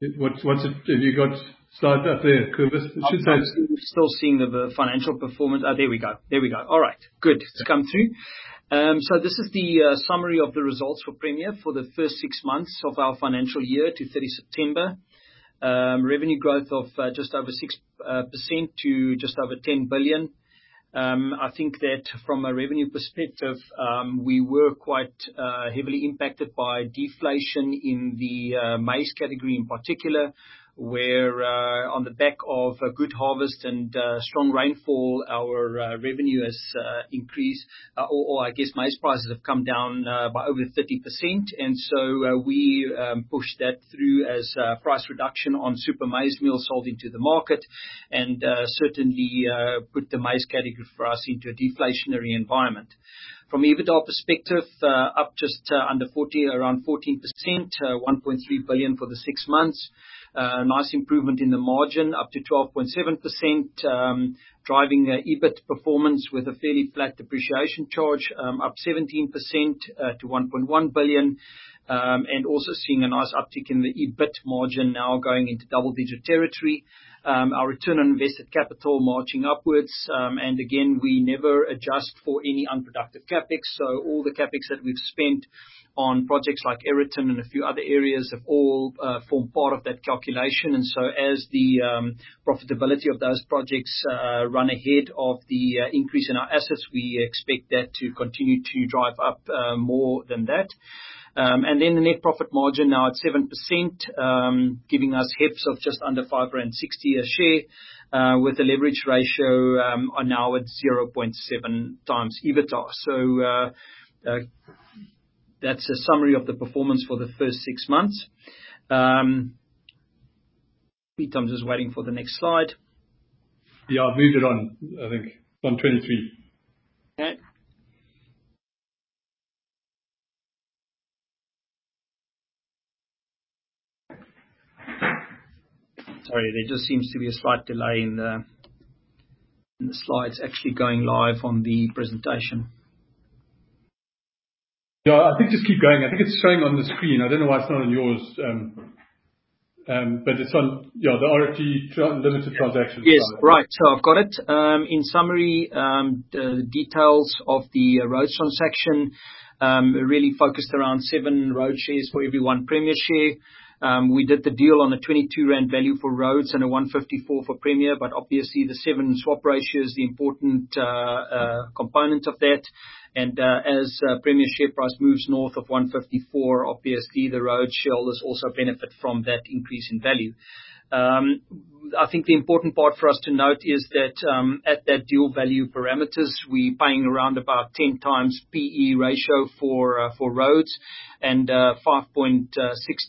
B: you got slides up there, Kobus? It should say.
F: Still seeing the financial performance. There we go. There we go. All right. Good. It's come through. This is the summary of the results for Premier for the first six months of our financial year to 30 September. Revenue growth of just over 6% to just over 10 billion. I think that from a revenue perspective, we were quite heavily impacted by deflation in the maize category in particular, where on the back of good harvest and strong rainfall, our revenue has increased, or I guess maize prices have come down by over 30%. We pushed that through as price reduction on super maize meal sold into the market and certainly put the maize category for us into a deflationary environment. From EBITDA perspective, up just under 40, around 14%, 1.3 billion for the six months. Nice improvement in the margin, up to 12.7%, driving EBIT performance with a fairly flat depreciation charge, up 17% to 1.1 billion. are also seeing a nice uptick in the EBIT margin now going into double-digit territory. Our return on invested capital is marching upwards. We never adjust for any unproductive CapEx. All the CapEx that we have spent on projects like Eriton and a few other areas have all formed part of that calculation. As the profitability of those projects runs ahead of the increase in our assets, we expect that to continue to drive up more than that. The net profit margin is now at 7%, giving us HEPS of just under 5.60 a share with a leverage ratio now at 0.7x EBITDA. That is a summary of the performance for the first six months. Peter is just waiting for the next slide.
B: I have moved it on, I think, on 23.
F: Okay. Sorry, there just seems to be a slight delay in the slides actually going live on the presentation.
B: Yeah, I think just keep going. I think it's showing on the screen. I don't know why it's not on yours, but it's on the RFG Limited transactions. Yes, right. So I've got it. In summary, the details of the Rhodes transaction really focused around seven Rhodes shares for every one Premier share. We did the deal on a 22 rand value for Rhodes and a 154 for Premier, but obviously the seven swap ratio is the important component of that. As Premier share price moves north of 154, obviously the Rhodes shareholders also benefit from that increase in value. I think the important part for us to note is that at that deal value parameters, we're paying around about 10x PE ratio for Rhodes and 5.6x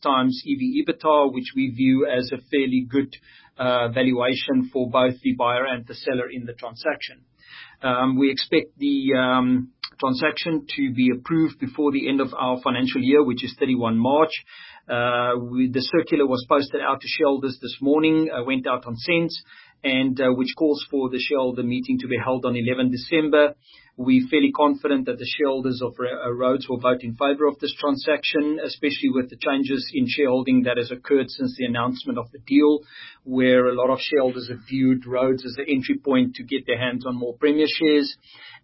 B: EBITDA, which we view as a fairly good valuation for both the buyer and the seller in the transaction. We expect the transaction to be approved before the end of our financial year, which is 31 March. The circular was posted out to shareholders this morning, went out on SENS, and which calls for the shareholder meeting to be held on 11 December. We're fairly confident that the shareholders of Rhodes will vote in favor of this transaction, especially with the changes in shareholding that has occurred since the announcement of the deal, where a lot of shareholders have viewed Rhodes as an entry point to get their hands on more Premier shares.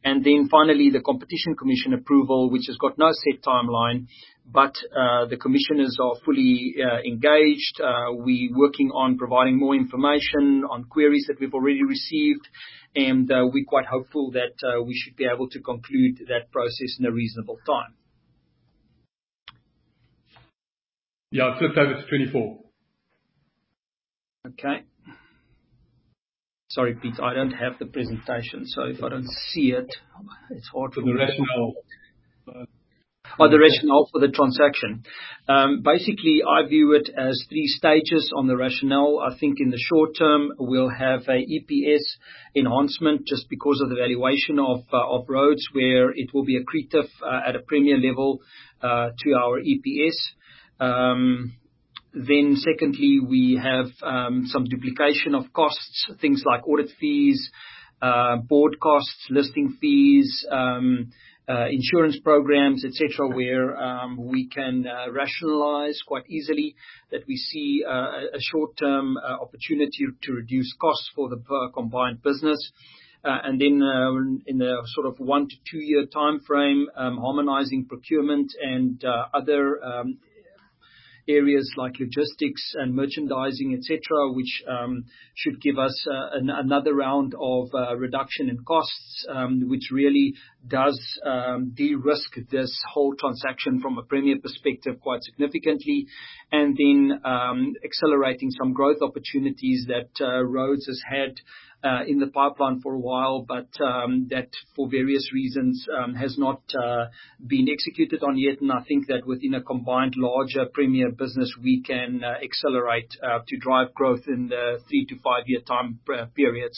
B: Finally, the Competition Commission approval, which has got no set timeline, but the commissioners are fully engaged. We're working on providing more information on queries that we've already received, and we're quite hopeful that we should be able to conclude that process in a reasonable time. Yeah, I've flipped over to 24.
F: Okay. Sorry, Pete, I don't have the presentation. If I don't see it, it's hard for me to see.
B: For the rationale.
F: Oh, the rationale for the transaction. Basically, I view it as three stages on the rationale. I think in the short term, we'll have an EPS enhancement just because of the valuation of Rhodes, where it will be accretive at a Premier level to our EPS. We have some duplication of costs, things like audit fees, board costs, listing fees, insurance programs, etc., where we can rationalize quite easily that we see a short-term opportunity to reduce costs for the combined business. In the sort of one to two-year timeframe, harmonizing procurement and other areas like logistics and merchandising, etc., should give us another round of reduction in costs, which really does de-risk this whole transaction from a Premier perspective quite significantly. Accelerating some growth opportunities that Rhodes has had in the pipeline for a while, but that for various reasons has not been executed on yet, is also possible. I think that within a combined larger Premier business, we can accelerate to drive growth in the three to five-year time period.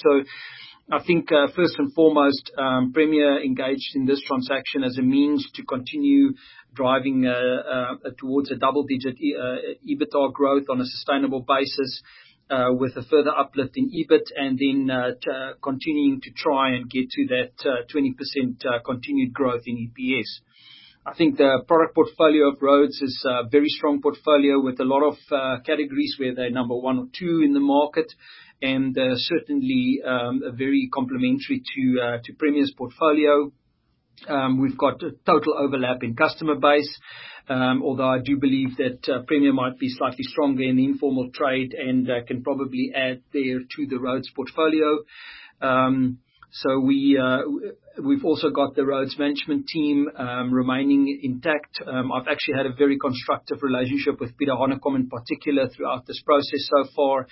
F: I think first and foremost, Premier engaged in this transaction as a means to continue driving towards a double-digit EBITDA growth on a sustainable basis with a further uplift in EBIT and then continuing to try and get to that 20% continued growth in EPS. I think the product portfolio of Rhodes is a very strong portfolio with a lot of categories where they're number one or two in the market and certainly very complementary to Premier's portfolio. We've got total overlap in customer base, although I do believe that Premier might be slightly stronger in the informal trade and can probably add there to the Rhodes portfolio. We've also got the Rhodes management team remaining intact. I've actually had a very constructive relationship with Peter Hayward‑Butt in particular throughout this process so far.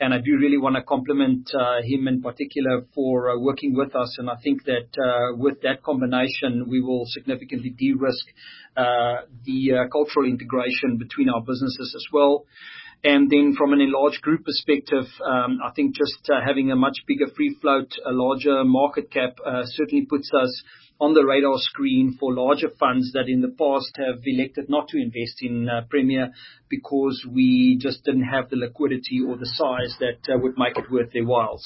F: I do really want to compliment him in particular for working with us. I think that with that combination, we will significantly de-risk the cultural integration between our businesses as well. From an enlarged group perspective, I think just having a much bigger free float, a larger market cap certainly puts us on the radar screen for larger funds that in the past have elected not to invest in Premier because we just did not have the liquidity or the size that would make it worth their while.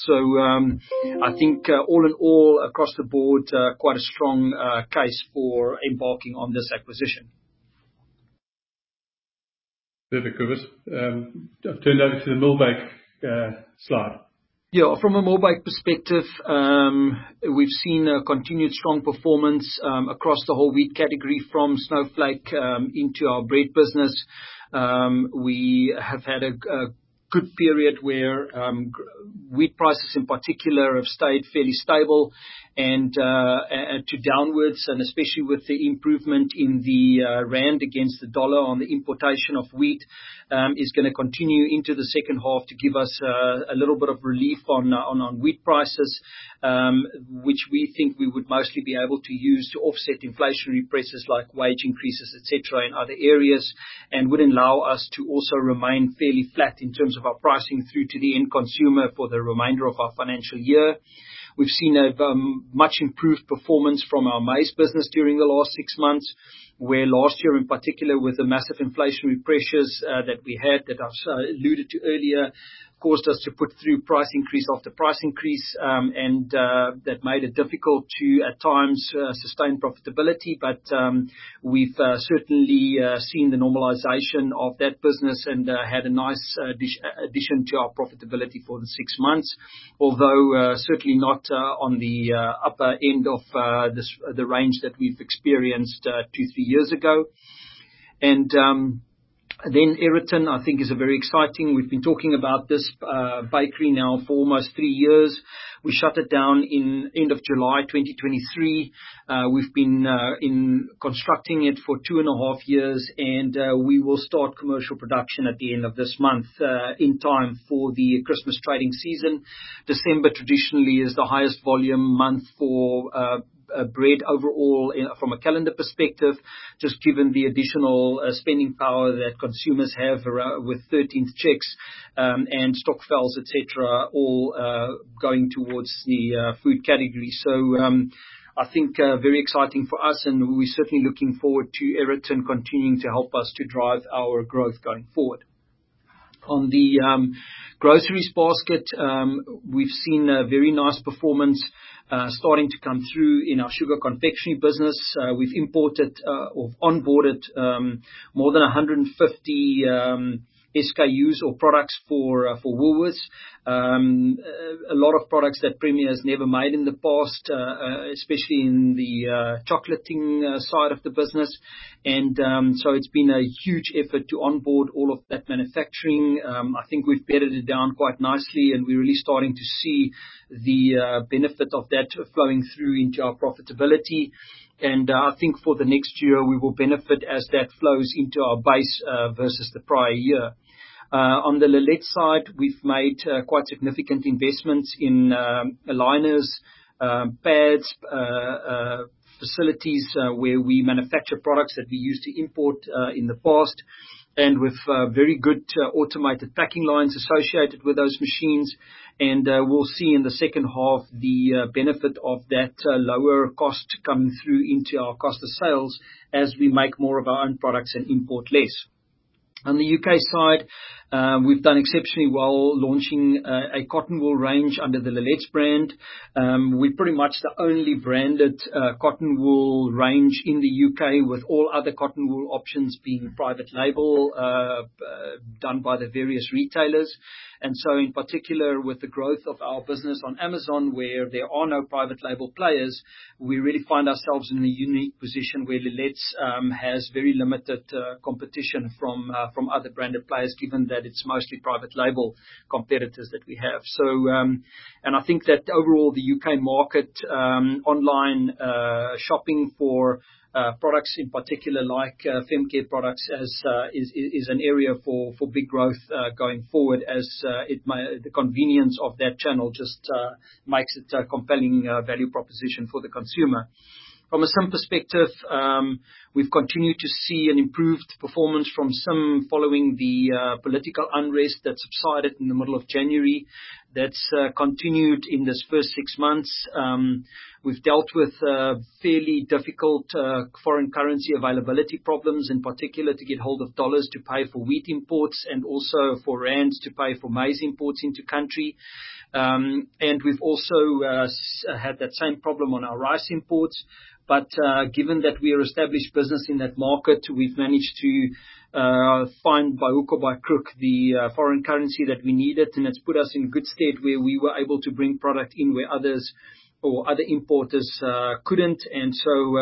F: I think all in all, across the board, quite a strong case for embarking on this acquisition.
B: Perfect, Kobus. I have turned over to the Millbake slide.
F: From a Millbake perspective, we have seen a continued strong performance across the whole wheat category from Snowflake into our bread business. We have had a good period where wheat prices in particular have stayed fairly stable and to downwards. Especially with the improvement in the rand against the dollar on the importation of wheat, it is going to continue into the second half to give us a little bit of relief on wheat prices, which we think we would mostly be able to use to offset inflationary pressures like wage increases, etc., in other areas and would allow us to also remain fairly flat in terms of our pricing through to the end consumer for the remainder of our financial year. We have seen a much improved performance from our maize business during the last six months, where last year in particular, with the massive inflationary pressures that we had that I have alluded to earlier, caused us to put through price increase after price increase and that made it difficult to at times sustain profitability. We have certainly seen the normalization of that business and had a nice addition to our profitability for the six months, although certainly not on the upper end of the range that we experienced two or three years ago. Eriton, I think, is very exciting. We have been talking about this bakery now for almost three years. We shut it down at the end of July 2023. We have been constructing it for two and a half years, and we will start commercial production at the end of this month in time for the Christmas trading season. December traditionally is the highest volume month for bread overall from a calendar perspective, just given the additional spending power that consumers have with 13th checks and Stokvels, etc., all going towards the food category. I think very exciting for us, and we're certainly looking forward to Eriton continuing to help us to drive our growth going forward. On the groceries basket, we've seen a very nice performance starting to come through in our sugar confectionery business. We've imported or onboarded more than 150 SKUs or products for Woolworths, a lot of products that Premier has never made in the past, especially in the chocolating side of the business. It has been a huge effort to onboard all of that manufacturing. I think we've bettered it down quite nicely, and we're really starting to see the benefit of that flowing through into our profitability. I think for the next year, we will benefit as that flows into our base versus the prior year. On the Lelit side, we've made quite significant investments in aligners, pads, facilities where we manufacture products that we used to import in the past, with very good automated packing lines associated with those machines. We will see in the second half the benefit of that lower cost coming through into our cost of sales as we make more of our own products and import less. On the U.K. side, we've done exceptionally well launching a cotton wool range under the Lelit brand. We're pretty much the only branded cotton wool range in the U.K., with all other cotton wool options being private label done by the various retailers. In particular, with the growth of our business on Amazon, where there are no private label players, we really find ourselves in a unique position where Lelit has very limited competition from other branded players, given that it is mostly private label competitors that we have. I think that overall, the U.K. market online shopping for products, in particular like Femcare products, is an area for big growth going forward, as the convenience of that channel just makes it a compelling value proposition for the consumer. From a SEM perspective, we have continued to see an improved performance from SEM following the political unrest that subsided in the middle of January. That has continued in this first six months. We've dealt with fairly difficult foreign currency availability problems, in particular to get hold of dollars to pay for wheat imports and also for rands to pay for maize imports into country. We've also had that same problem on our rice imports. Given that we are an established business in that market, we've managed to find by hook or by crook the foreign currency that we needed, and it's put us in a good state where we were able to bring product in where others or other importers couldn't.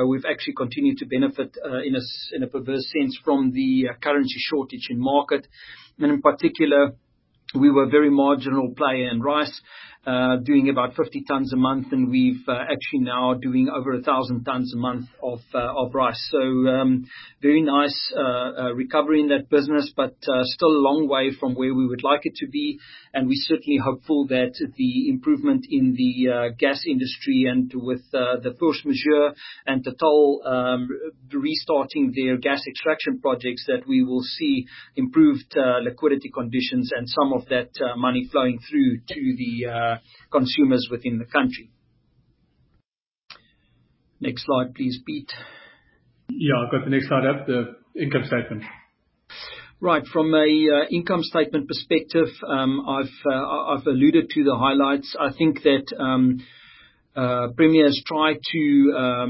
F: We've actually continued to benefit in a perverse sense from the currency shortage in market. In particular, we were a very marginal player in rice, doing about 50 tons a month, and we've actually now are doing over 1,000 tons a month of rice. Very nice recovery in that business, but still a long way from where we would like it to be. We are certainly hopeful that the improvement in the gas industry and with the force majeure and Total restarting their gas extraction projects that we will see improved liquidity conditions and some of that money flowing through to the consumers within the country. Next slide, please, Pete.
B: Yeah, I have got the next slide up, the income statement.
F: Right, from an income statement perspective, I have alluded to the highlights. I think that Premier has tried to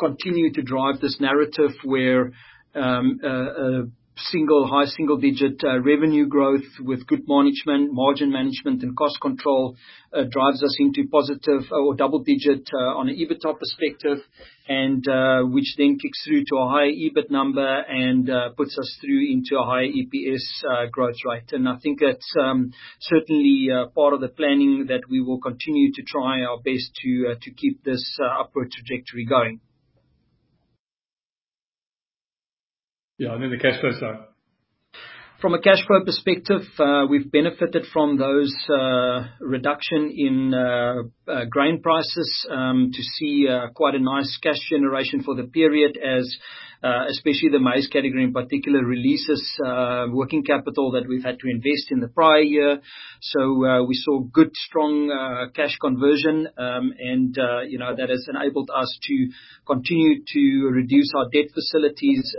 F: continue to drive this narrative where a single high single-digit revenue growth with good margin management and cost control drives us into positive or double-digit on an EBITDA perspective, which then kicks through to a high EBIT number and puts us through into a high EPS growth rate. I think that's certainly part of the planning that we will continue to try our best to keep this upward trajectory going.
B: Yeah, I think the cash flow's up.
F: From a cash flow perspective, we've benefited from those reductions in grain prices to see quite a nice cash generation for the period, especially the maize category in particular, releases working capital that we've had to invest in the prior year. We saw good strong cash conversion, and that has enabled us to continue to reduce our debt facilities,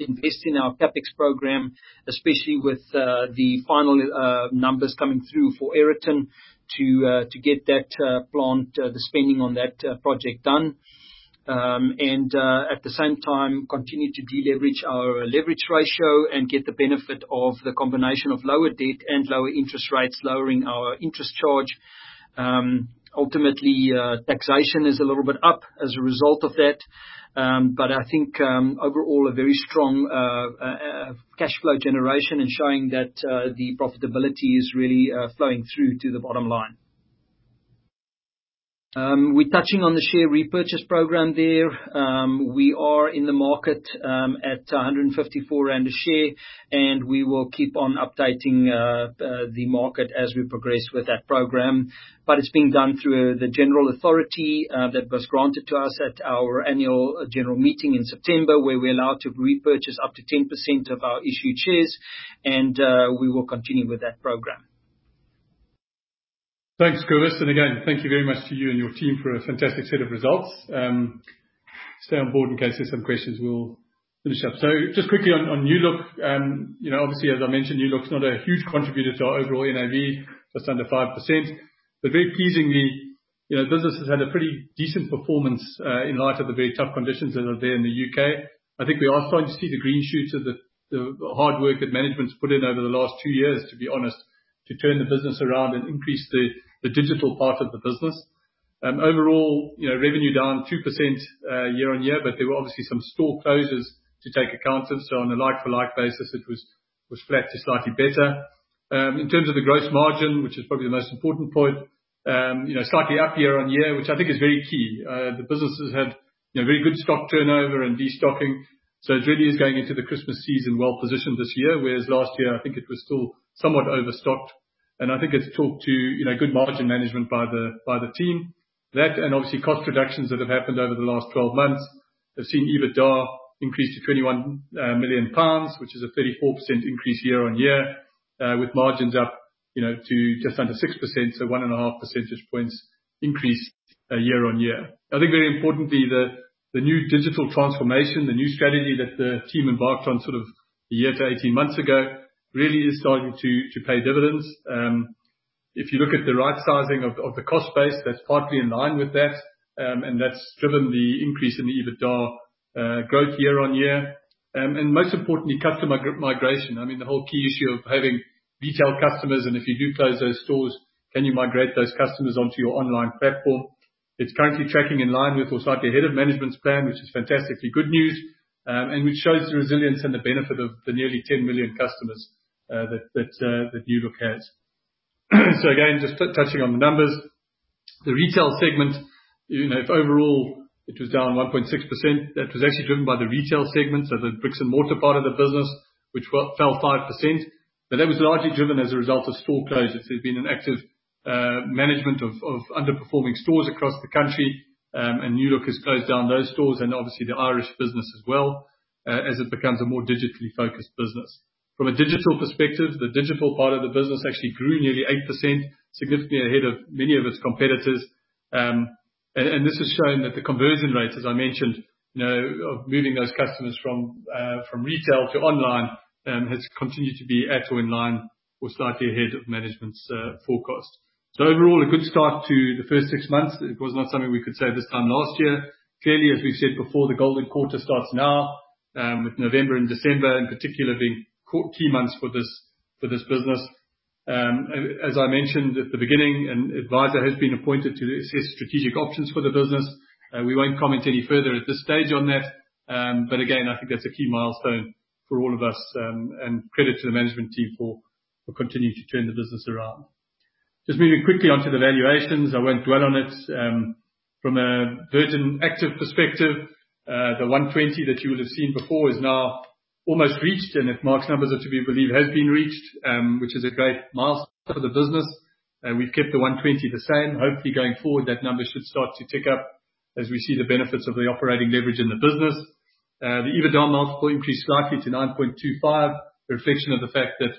F: invest in our CapEx program, especially with the final numbers coming through for Eriton to get that planned, the spending on that project done. At the same time, we continue to deleverage our leverage ratio and get the benefit of the combination of lower debt and lower interest rates, lowering our interest charge. Ultimately, taxation is a little bit up as a result of that. I think overall, a very strong cash flow generation and showing that the profitability is really flowing through to the bottom line. We're touching on the share repurchase program there. We are in the market at 154 rand a share, and we will keep on updating the market as we progress with that program. It is being done through the general authority that was granted to us at our annual general meeting in September, where we're allowed to repurchase up to 10% of our issued shares, and we will continue with that program.
B: Thanks, Kobus. Thank you very much to you and your team for a fantastic set of results. Stay on board in case there are some questions. We'll finish up. Just quickly on NÜ Look. Obviously, as I mentioned, NÜ Look's not a huge contributor to our overall NAV, just under 5%. Very pleasingly, the business has had a pretty decent performance in light of the very tough conditions that are there in the U.K. I think we are starting to see the green shoots of the hard work that management's put in over the last two years, to be honest, to turn the business around and increase the digital part of the business. Overall, revenue down 2% YoY, but there were obviously some store closures to take account of. On a like-for-like basis, it was flat to slightly better. In terms of the gross margin, which is probably the most important point, slightly up year-on-year, which I think is very key. The business has had very good stock turnover and destocking. It really is going into the Christmas season well positioned this year, whereas last year, I think it was still somewhat overstocked. I think it has talked to good margin management by the team. That and obviously cost reductions that have happened over the last 12 months have seen EBITDA increased to 21 million pounds, which is a 34% increase year-on-year, with margins up to just under 6%, so one and a half percentage points increase year-on-year. I think very importantly, the new digital transformation, the new strategy that the team embarked on sort of a year to 18 months ago really is starting to pay dividends. If you look at the right sizing of the cost base, that is partly in line with that, and that has driven the increase in the EBITDA growth year-on-year. Most importantly, customer migration. I mean, the whole key issue of having retail customers, and if you do close those stores, can you migrate those customers onto your online platform? It's currently tracking in line with or slightly ahead of management's plan, which is fantastically good news and which shows the resilience and the benefit of the nearly 10 million customers that NÜ Look has. Again, just touching on the numbers, the retail segment, if overall it was down 1.6%, that was actually driven by the retail segment, so the bricks and mortar part of the business, which fell 5%. That was largely driven as a result of store closures. There has been an active management of underperforming stores across the country, and NÜ Look has closed down those stores and obviously the Irish business as well, as it becomes a more digitally focused business. From a digital perspective, the digital part of the business actually grew nearly 8%, significantly ahead of many of its competitors. This has shown that the conversion rates, as I mentioned, of moving those customers from retail to online has continued to be at or in line or slightly ahead of management's forecast. Overall, a good start to the first six months. It was not something we could say this time last year. Clearly, as we've said before, the golden quarter starts now, with November and December in particular being key months for this business. As I mentioned at the beginning, an advisor has been appointed to assess strategic options for the business. We won't comment any further at this stage on that. I think that's a key milestone for all of us, and credit to the management team for continuing to turn the business around. Just moving quickly onto the valuations, I won't dwell on it. From a Virgin Active perspective, the 120 million that you will have seen before is now almost reached, and if Mark's numbers are to be believed, have been reached, which is a great milestone for the business. We've kept the 120 million the same. Hopefully, going forward, that number should start to tick up as we see the benefits of the operating leverage in the business. The EBITDA multiple increased slightly to 9.25, a reflection of the fact that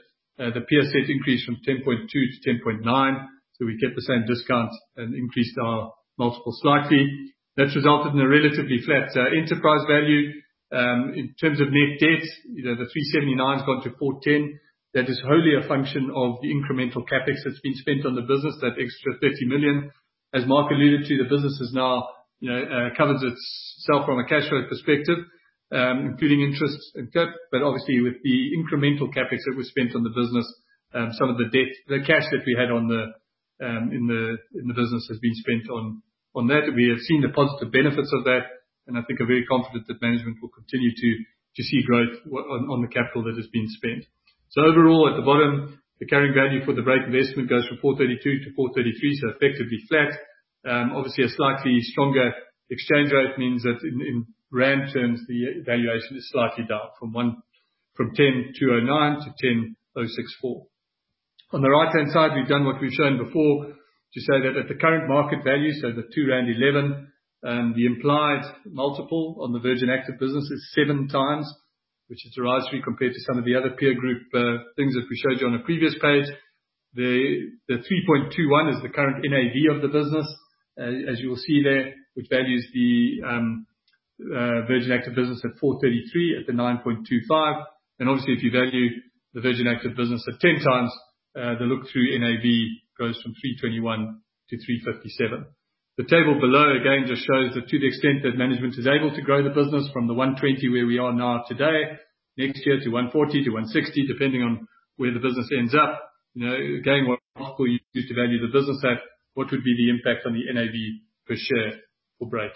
B: the PSET increased from 10.2 to 10.9. We kept the same discount and increased our multiple slightly. That has resulted in a relatively flat enterprise value. In terms of net debt, the 379 million has gone to 410 million. That is wholly a function of the incremental CapEx that has been spent on the business, that extra 30 million. As Mark alluded to, the business has now covered itself from a cash flow perspective, including interest and cut. Obviously, with the incremental CapEx that was spent on the business, some of the cash that we had in the business has been spent on that. We have seen the positive benefits of that, and I think I'm very confident that management will continue to see growth on the capital that has been spent. Overall, at the bottom, the carrying value for the Brait investment goes from 432 million to 433 million, so effectively flat. Obviously, a slightly stronger exchange rate means that in rand terms, the valuation is slightly down from 10,209 million to 10,064 million. On the right-hand side, we've done what we've shown before to say that at the current market value, so the 2.11 rand, the implied multiple on the Virgin Active business is 7x, which is a rise three compared to some of the other peer group things that we showed you on a previous page. TheZAR 3.21 is the current NAV of the business, as you will see there, which values the Virgin Active business at 433 million at the 9.25x. Obviously, if you value the Virgin Active business at 10x, the look-through NAV goes from 3.21 to 3.57. The table below, again, just shows that to the extent that management is able to grow the business from the 120 million where we are now today, next year to 140 million-160 million, depending on where the business ends up, again, what multiple you use to value the business at, what would be the impact on the NAV per share for Brait.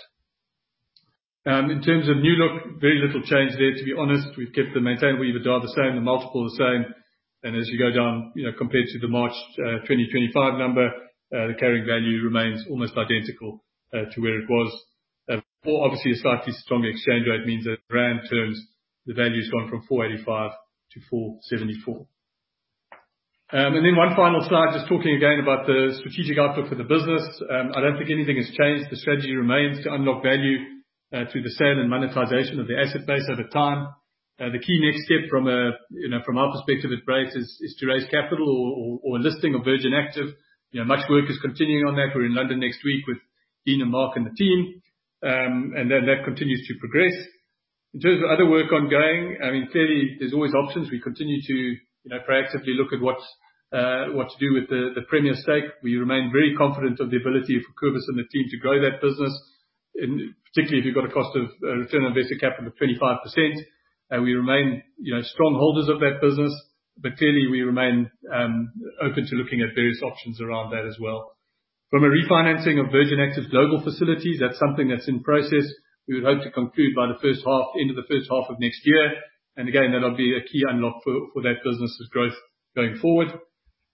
B: In terms of NÜ Look, very little change there. To be honest, we've kept the maintainable EBITDA the same, the multiple the same. As you go down, compared to the March 2025 number, the carrying value remains almost identical to where it was. Obviously, a slightly stronger exchange rate means that in rand terms, the value has gone from 485 million to 474 million. One final slide, just talking again about the strategic outlook for the business. I don't think anything has changed. The strategy remains to unlock value through the sale and monetization of the asset base over time. The key next step from our perspective at Brait is to raise capital or a listing of Virgin Active. Much work is continuing on that. We are in London next week with Dean and Mark and the team. That continues to progress. In terms of other work ongoing, I mean, clearly, there are always options. We continue to proactively look at what to do with the Premier stake. We remain very confident of the ability of Kobus and the team to grow that business, particularly if you have got a cost of return on invested capital of 25%. We remain strong holders of that business, but clearly, we remain open to looking at various options around that as well. From a refinancing of Virgin Active global facilities, that is something that is in process. We would hope to conclude by the end of the first half of next year. Again, that'll be a key unlock for that business's growth going forward.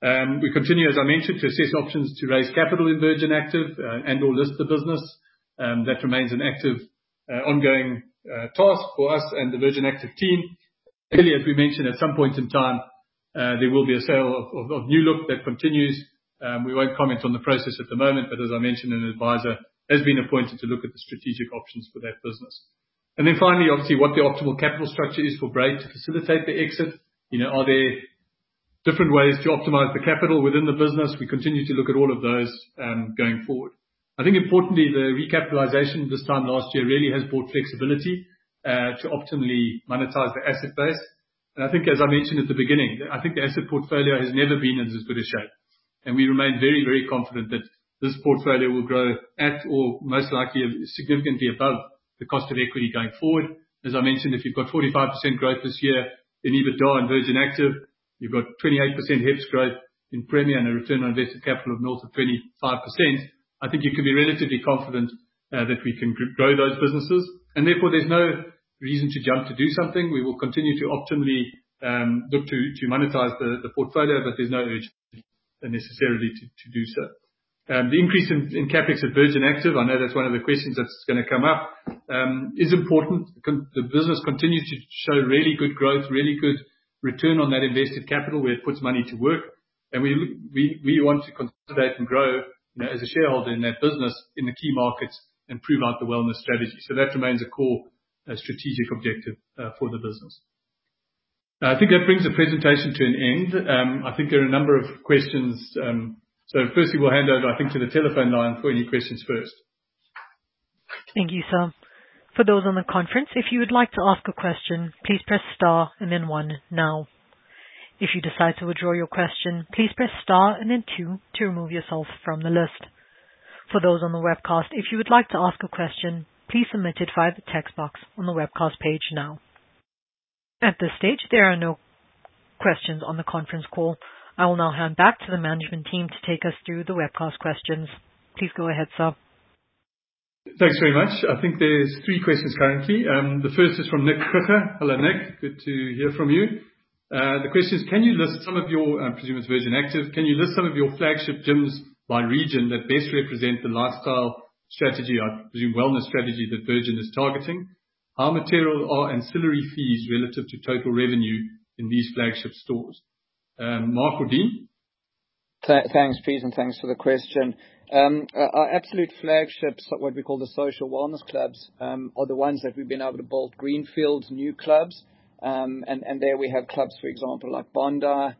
B: We continue, as I mentioned, to assess options to raise capital in Virgin Active and/or list the business. That remains an active ongoing task for us and the Virgin Active team. Clearly, as we mentioned, at some point in time, there will be a sale of NÜ Look that continues. We won't comment on the process at the moment, but as I mentioned, an advisor has been appointed to look at the strategic options for that business. Finally, obviously, what the optimal capital structure is for Brait to facilitate the exit. Are there different ways to optimize the capital within the business? We continue to look at all of those going forward. I think importantly, the recapitalization this time last year really has brought flexibility to optimally monetize the asset base. I think, as I mentioned at the beginning, the asset portfolio has never been in as good a shape. We remain very, very confident that this portfolio will grow at or most likely significantly above the cost of equity going forward. As I mentioned, if you've got 45% growth this year in EBITDA in Virgin Active, you've got 28% HEPS growth in Premier and a return on invested capital of north of 25%, I think you can be relatively confident that we can grow those businesses. Therefore, there's no reason to jump to do something. We will continue to optimally look to monetize the portfolio, but there's no urgency necessarily to do so. The increase in CapEx at Virgin Active, I know that's one of the questions that's going to come up, is important. The business continues to show really good growth, really good return on that invested capital where it puts money to work. We want to consolidate and grow as a shareholder in that business in the key markets and prove out the wellness strategy. That remains a core strategic objective for the business. I think that brings the presentation to an end. I think there are a number of questions. Firstly, we'll hand over, I think, to the telephone line for any questions first.
A: Thank you, Sir. For those on the conference, if you would like to ask a question, please press star and then one now. If you decide to withdraw your question, please press star and then two to remove yourself from the list. For those on the webcast, if you would like to ask a question, please submit it via the text box on the webcast page now. At this stage, there are no questions on the conference call. I will now hand back to the management team to take us through the webcast questions. Please go ahead, Sir.
B: Thanks very much. I think there's three questions currently. The first is from Nick [Kocher]. Hello, Nick. Good to hear from you. The question is, can you list some of your, I presume it's Virgin Active, can you list some of your flagship gyms by region that best represent the lifestyle strategy, I presume wellness strategy that Virgin is targeting? How material are ancillary fees relative to total revenue in these flagship stores? Mark or Dean?
D: Thanks, Pete, and thanks for the question. Our absolute flagships, what we call the social wellness clubs, are the ones that we've been able to bolt greenfields, new clubs. There we have clubs, for example, like Bondi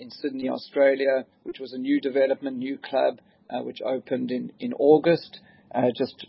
D: in Sydney, Australia, which was a new development, new club, which opened in August. Just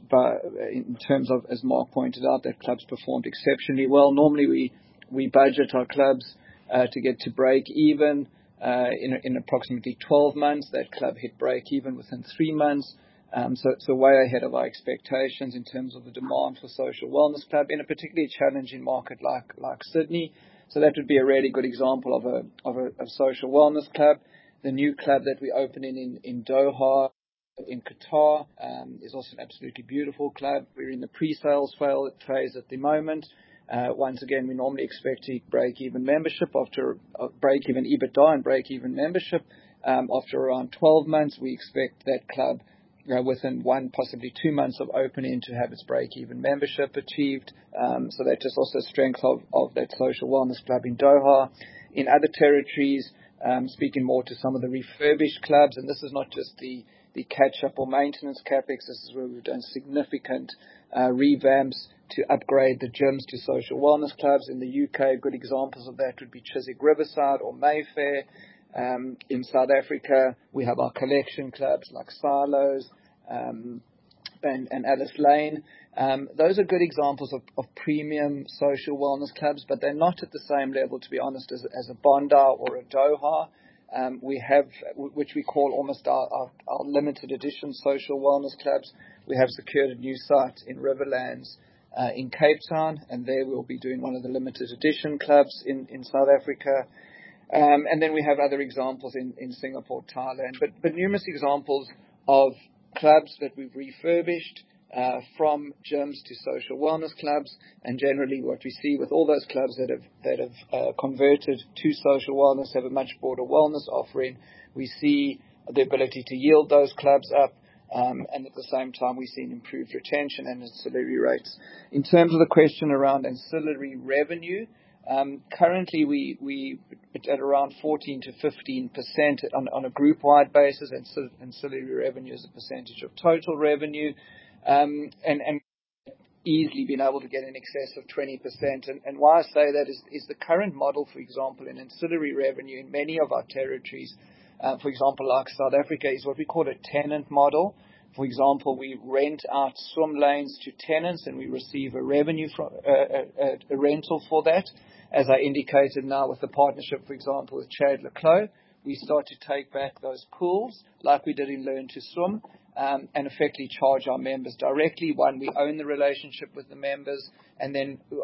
D: in terms of, as Mark pointed out, that club's performed exceptionally well. Normally, we budget our clubs to get to break even in approximately 12 months. That club hit break even within three months. It is way ahead of our expectations in terms of the demand for social wellness club in a particularly challenging market like Sydney. That would be a really good example of a social wellness club. The new club that we opened in Doha in Qatar is also an absolutely beautiful club. We're in the pre-sales phase at the moment. Once again, we normally expect to break even membership after break even EBITDA and break even membership. After around 12 months, we expect that club within one, possibly two months of opening to have its break even membership achieved. That just also strengthens that social wellness club in Doha. In other territories, speaking more to some of the refurbished clubs, and this is not just the catch-up or maintenance CapEx, this is where we've done significant revamps to upgrade the gyms to social wellness clubs. In the U.K., good examples of that would be Chiswick Riverside or Mayfair. In South Africa, we have our collection clubs like Silos and Alice Lane. Those are good examples of premium social wellness clubs, but they're not at the same level, to be honest, as a Bondi or a Doha, which we call almost our limited edition social wellness clubs. We have secured a new site in Riverlands in Cape Town, and there we will be doing one of the limited edition clubs in South Africa. We have other examples in Singapore, Thailand. Numerous examples of clubs that we have refurbished from gyms to social wellness clubs. Generally, what we see with all those clubs that have converted to social wellness is a much broader wellness offering. We see the ability to yield those clubs up, and at the same time, we have seen improved retention and ancillary rates. In terms of the question around ancillary revenue, currently we are at around 14%-15% on a group-wide basis. Ancillary revenue is a percentage of total revenue. We have easily been able to get in excess of 20%. Why I say that is the current model, for example, in ancillary revenue in many of our territories, for example, like South Africa, is what we call a tenant model. For example, we rent out swim lanes to tenants, and we receive a rental for that. As I indicated now with the partnership, for example, with Chad Le Clos, we start to take back those pools like we did in Learn to Swim and effectively charge our members directly when we own the relationship with the members.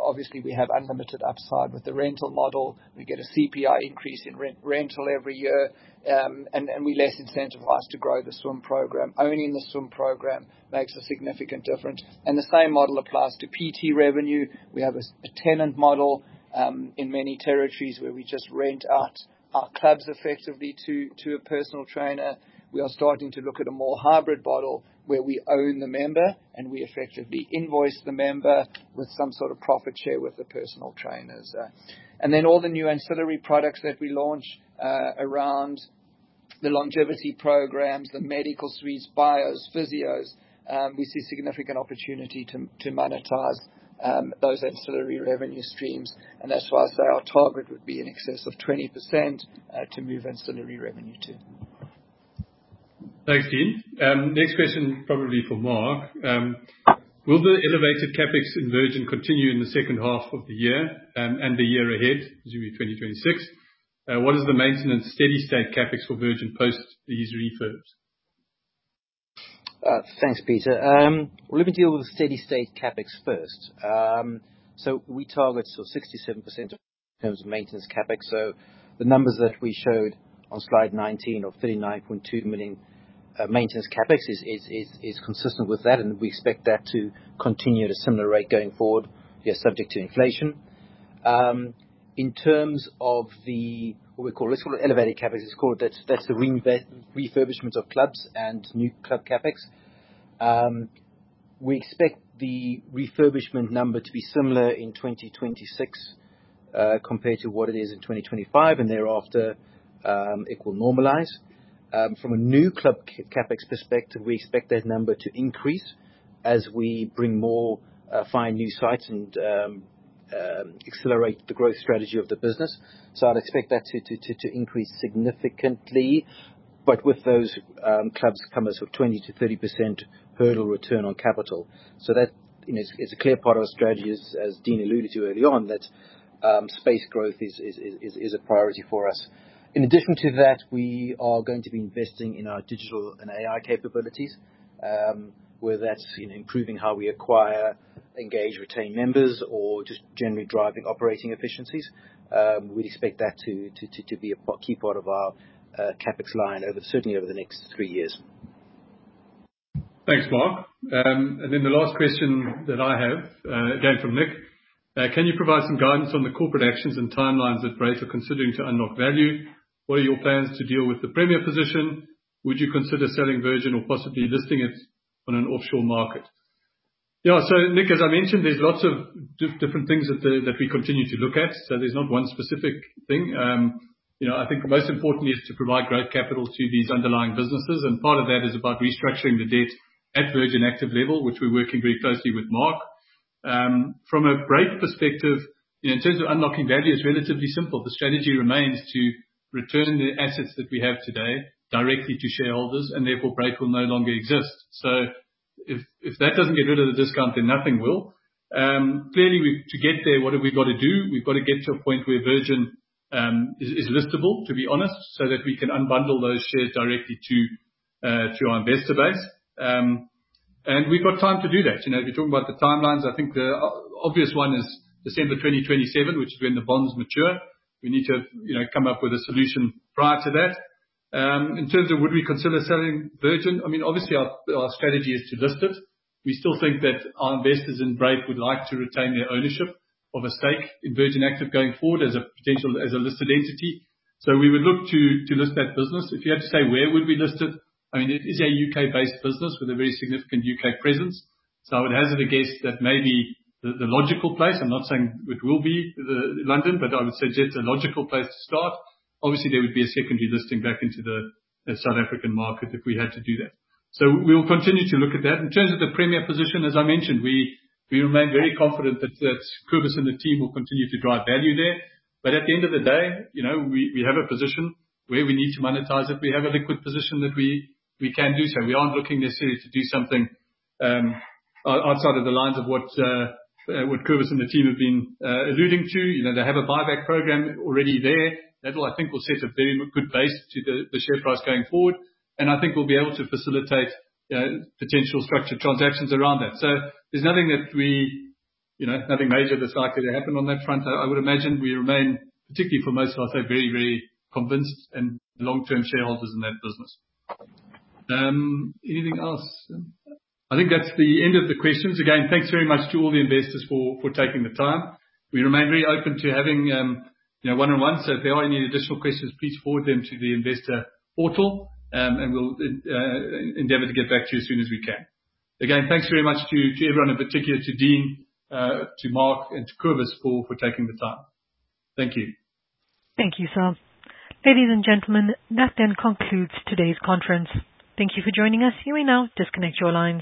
D: Obviously, we have unlimited upside with the rental model. We get a CPI increase in rental every year, and we are less incentivized to grow the swim program. Owning the swim program makes a significant difference. The same model applies to PT revenue. We have a tenant model in many territories where we just rent out our clubs effectively to a personal trainer. We are starting to look at a more hybrid model where we own the member and we effectively invoice the member with some sort of profit share with the personal trainers. All the new ancillary products that we launch around the longevity programs, the medical suites, bios, physios, we see significant opportunity to monetize those ancillary revenue streams. That is why I say our target would be in excess of 20% to move ancillary revenue to.
B: Thanks, Dean. Next question, probably for Mark. Will the elevated CapEx in Virgin continue in the second half of the year and the year ahead, presumably 2026? What is the maintenance steady state CapEx for Virgin post these refurbs?
E: Thanks, Peter. We're looking to deal with steady state CapEx first. We target sort of 67% in terms of maintenance CapEx. The numbers that we showed on slide 19 of 39.2 million maintenance CapEx is consistent with that, and we expect that to continue at a similar rate going forward, yeah, subject to inflation. In terms of the, what we call, let's call it elevated CapEx, that's the refurbishment of clubs and new club CapEx. We expect the refurbishment number to be similar in 2026 compared to what it is in 2025, and thereafter it will normalize. From a new club CapEx perspective, we expect that number to increase as we bring more fine new sites and accelerate the growth strategy of the business. I'd expect that to increase significantly, but with those clubs come as sort of 20%-30% hurdle return on capital. That is a clear part of our strategy, as Dean alluded to early on, that space growth is a priority for us. In addition to that, we are going to be investing in our digital and AI capabilities, whether that's improving how we acquire, engage, retain members, or just generally driving operating efficiencies. We'd expect that to be a key part of our CapEx line over, certainly over the next three years.
B: Thanks, Mark. The last question that I have, again from Nick, can you provide some guidance on the corporate actions and timelines that Brait are considering to unlock value? What are your plans to deal with the Premier position? Would you consider selling Virgin or possibly listing it on an offshore market? Yeah, Nick, as I mentioned, there's lots of different things that we continue to look at. There's not one specific thing. I think most importantly is to provide great capital to these underlying businesses. Part of that is about restructuring the debt at Virgin Active level, which we're working very closely with Mark. From a Brait perspective, in terms of unlocking value, it's relatively simple. The strategy remains to return the assets that we have today directly to shareholders, and therefore Brait will no longer exist. If that does not get rid of the discount, then nothing will. Clearly, to get there, what have we got to do? We have got to get to a point where Virgin is listable, to be honest, so that we can unbundle those shares directly to our investor base. We have got time to do that. If you are talking about the timelines, I think the obvious one is December 2027, which is when the bonds mature. We need to come up with a solution prior to that. In terms of would we consider selling Virgin? I mean, obviously, our strategy is to list it. We still think that our investors in Brait would like to retain their ownership of a stake in Virgin Active going forward as a listed entity. We would look to list that business. If you had to say where would we list it, I mean, it is a U.K.-based business with a very significant U.K. presence. So it has a guess that maybe the logical place, I'm not saying it will be London, but I would suggest a logical place to start. Obviously, there would be a secondary listing back into the South African market if we had to do that. We will continue to look at that. In terms of the Premier position, as I mentioned, we remain very confident that Kobus and the team will continue to drive value there. At the end of the day, we have a position where we need to monetize it. We have a liquid position that we can do. We aren't looking necessarily to do something outside of the lines of what Kobus and the team have been alluding to. They have a buyback program already there. That will, I think, set a very good base to the share price going forward. I think we'll be able to facilitate potential structured transactions around that. There is nothing major that's likely to happen on that front. I would imagine we remain, particularly for most of us, very, very convinced and long-term shareholders in that business. Anything else? I think that's the end of the questions. Again, thanks very much to all the investors for taking the time. We remain very open to having one-on-ones. If there are any additional questions, please forward them to the investor portal, and we'll endeavor to get back to you as soon as we can. Again, thanks very much to everyone, in particular to Dean, to Mark, and to Kobus for taking the time. Thank you.
A: Thank you, Sir. Ladies and gentlemen, that then concludes today's conference. Thank you for joining us. You may now disconnect your lines.